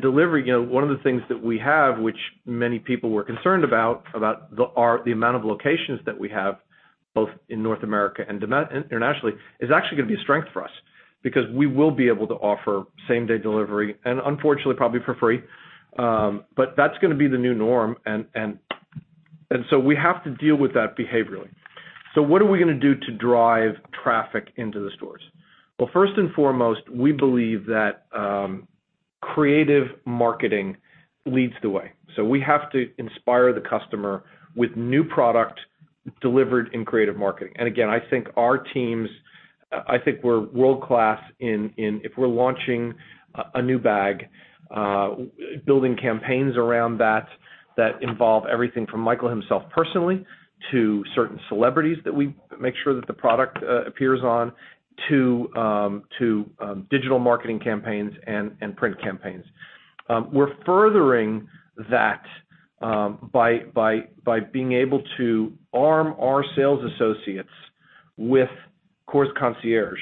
Delivery, one of the things that we have, which many people were concerned about the amount of locations that we have, both in North America and internationally, is actually going to be a strength for us because we will be able to offer same-day delivery and unfortunately, probably for free. That's going to be the new norm, we have to deal with that behaviorally. What are we going to do to drive traffic into the stores? Well, first and foremost, we believe that creative marketing leads the way. We have to inspire the customer with new product delivered in creative marketing. Again, I think our teams, I think we're world-class in if we're launching a new bag, building campaigns around that involve everything from Michael himself personally, to certain celebrities that we make sure that the product appears on, to digital marketing campaigns and print campaigns. We're furthering that by being able to arm our sales associates with Kors Concierge,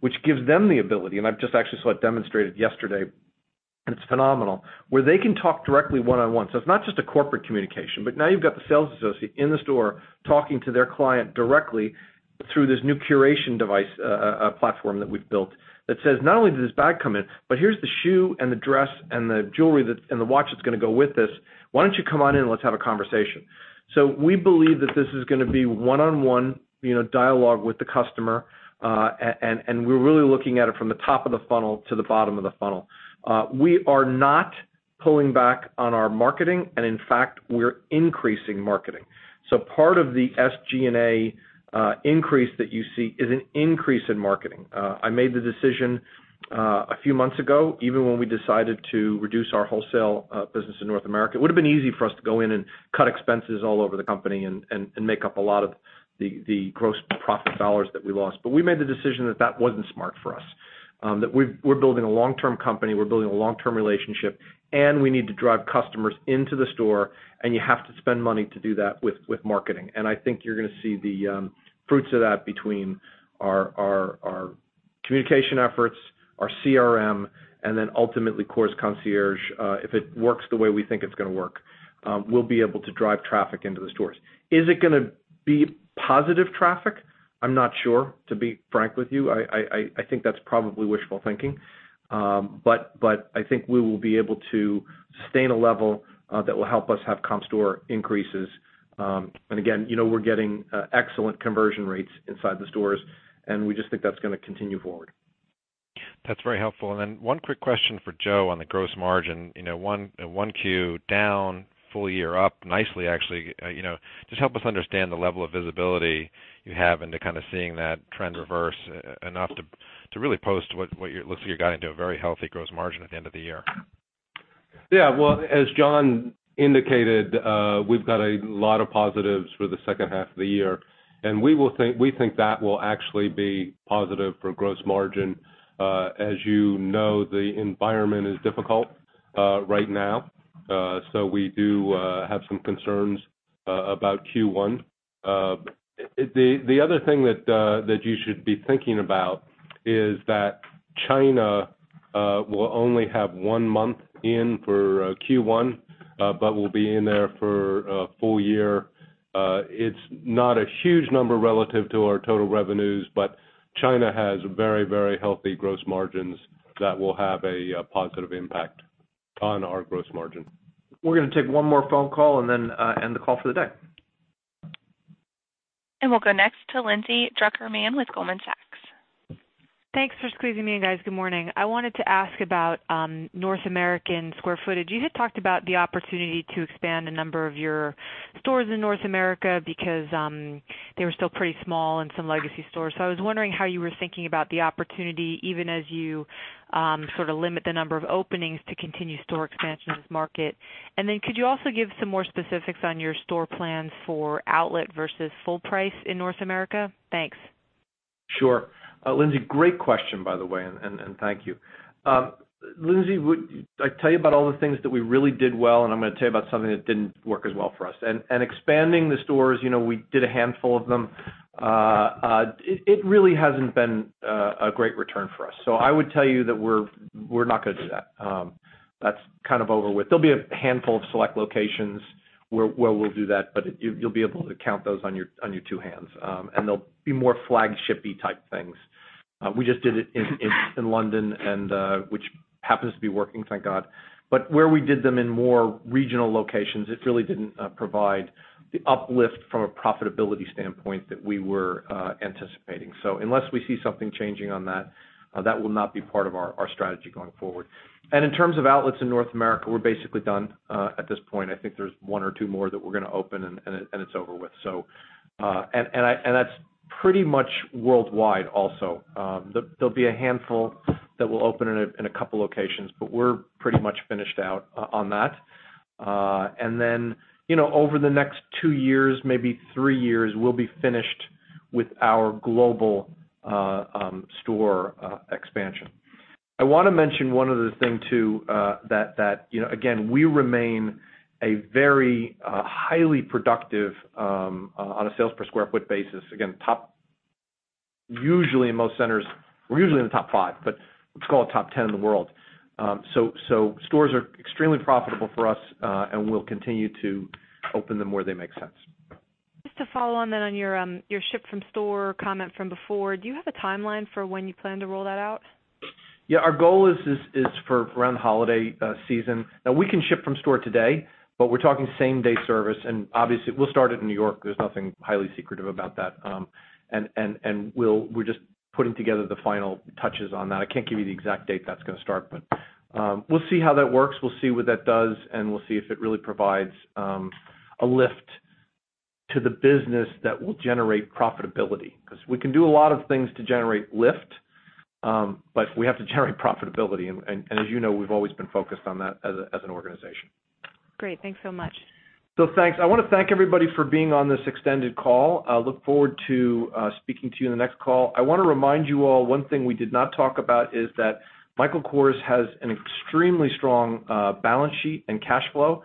which gives them the ability, and I've just actually saw it demonstrated yesterday, and it's phenomenal, where they can talk directly one-on-one. It's not just a corporate communication, but now you've got the sales associate in the store talking to their client directly through this new curation device, a platform that we've built that says, "Not only did this bag come in, but here's the shoe and the dress and the jewelry and the watch that's going to go with this. Why don't you come on in and let's have a conversation." We believe that this is going to be one-on-one dialogue with the customer, and we're really looking at it from the top of the funnel to the bottom of the funnel. We are not pulling back on our marketing, and in fact, we're increasing marketing. Part of the SG&A increase that you see is an increase in marketing. I made the decision a few months ago, even when we decided to reduce our wholesale business in North America. It would've been easy for us to go in and cut expenses all over the company and make up a lot of the gross profit dollars that we lost. We made the decision that that wasn't smart for us, that we're building a long-term company, we're building a long-term relationship, and we need to drive customers into the store, and you have to spend money to do that with marketing. I think you're going to see the fruits of that between our communication efforts, our CRM, and then ultimately Kors Concierge. If it works the way we think it's going to work, we'll be able to drive traffic into the stores. Is it going to be positive traffic? I'm not sure, to be frank with you. I think that's probably wishful thinking. I think we will be able to sustain a level that will help us have comp store increases. Again, we're getting excellent conversion rates inside the stores, and we just think that's going to continue forward. That's very helpful. Then one quick question for Joe on the gross margin. 1Q down, full year up nicely, actually. Just help us understand the level of visibility you have into kind of seeing that trend reverse enough to really post what looks like you got into a very healthy gross margin at the end of the year. Well, as John indicated, we've got a lot of positives for the second half of the year, and we think that will actually be positive for gross margin. You know, the environment is difficult right now, so we do have some concerns about Q1. The other thing that you should be thinking about is that China will only have one month in for Q1, but will be in there for a full year. It's not a huge number relative to our total revenues, but China has very healthy gross margins that will have a positive impact on our gross margin. We're going to take one more phone call. Then end the call for the day. We'll go next to Lindsay Drucker Mann with Goldman Sachs. Thanks for squeezing me in, guys. Good morning. I wanted to ask about North American square footage. You had talked about the opportunity to expand a number of your stores in North America because they were still pretty small and some legacy stores. I was wondering how you were thinking about the opportunity, even as you sort of limit the number of openings to continue store expansion in this market. Could you also give some more specifics on your store plans for outlet versus full price in North America? Thanks. Sure. Lindsay, great question, by the way, and thank you. Lindsay, I tell you about all the things that we really did well, and I'm going to tell you about something that didn't work as well for us. Expanding the stores, we did a handful of them. It really hasn't been a great return for us. I would tell you that we're not going to do that. That's kind of over with. There'll be a handful of select locations where we'll do that, but you'll be able to count those on your two hands. They'll be more flagship type things. We just did it in London, which happens to be working, thank God. Where we did them in more regional locations, it really didn't provide the uplift from a profitability standpoint that we were anticipating. Unless we see something changing on that will not be part of our strategy going forward. In terms of outlets in North America, we're basically done at this point. I think there's one or two more that we're going to open, and it's over with. That's pretty much worldwide also. There'll be a handful that will open in a couple locations, but we're pretty much finished out on that. Over the next two years, maybe three years, we'll be finished with our global store expansion. I want to mention one other thing, too, that, again, we remain very highly productive on a sales per square foot basis. Again, usually in most centers, we're usually in the top five, but let's call it top 10 in the world. Stores are extremely profitable for us, and we'll continue to open them where they make sense. Just to follow on that on your ship from store comment from before, do you have a timeline for when you plan to roll that out? Our goal is for around holiday season. Now we can ship from store today, but we're talking same-day service, obviously, we'll start it in New York. There's nothing highly secretive about that. We're just putting together the final touches on that. I can't give you the exact date that's going to start, but we'll see how that works. We'll see what that does, and we'll see if it really provides a lift to the business that will generate profitability. Because we can do a lot of things to generate lift, but we have to generate profitability. As you know, we've always been focused on that as an organization. Great. Thanks so much. Thanks. I want to thank everybody for being on this extended call. I look forward to speaking to you on the next call. I want to remind you all, one thing we did not talk about is that Michael Kors has an extremely strong balance sheet and cash flow.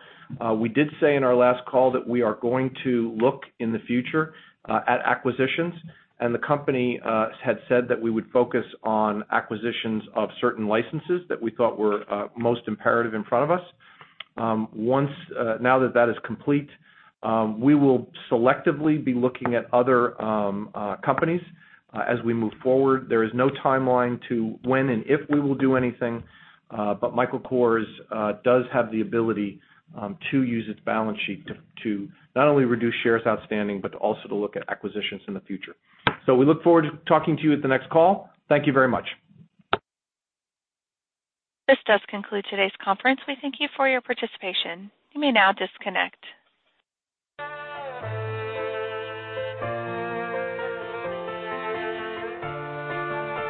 We did say in our last call that we are going to look in the future at acquisitions, and the company had said that we would focus on acquisitions of certain licenses that we thought were most imperative in front of us. Now that that is complete, we will selectively be looking at other companies as we move forward. There is no timeline to when and if we will do anything. Michael Kors does have the ability to use its balance sheet to not only reduce shares outstanding, but also to look at acquisitions in the future. We look forward to talking to you at the next call. Thank you very much. This does conclude today's conference. We thank you for your participation. You may now disconnect.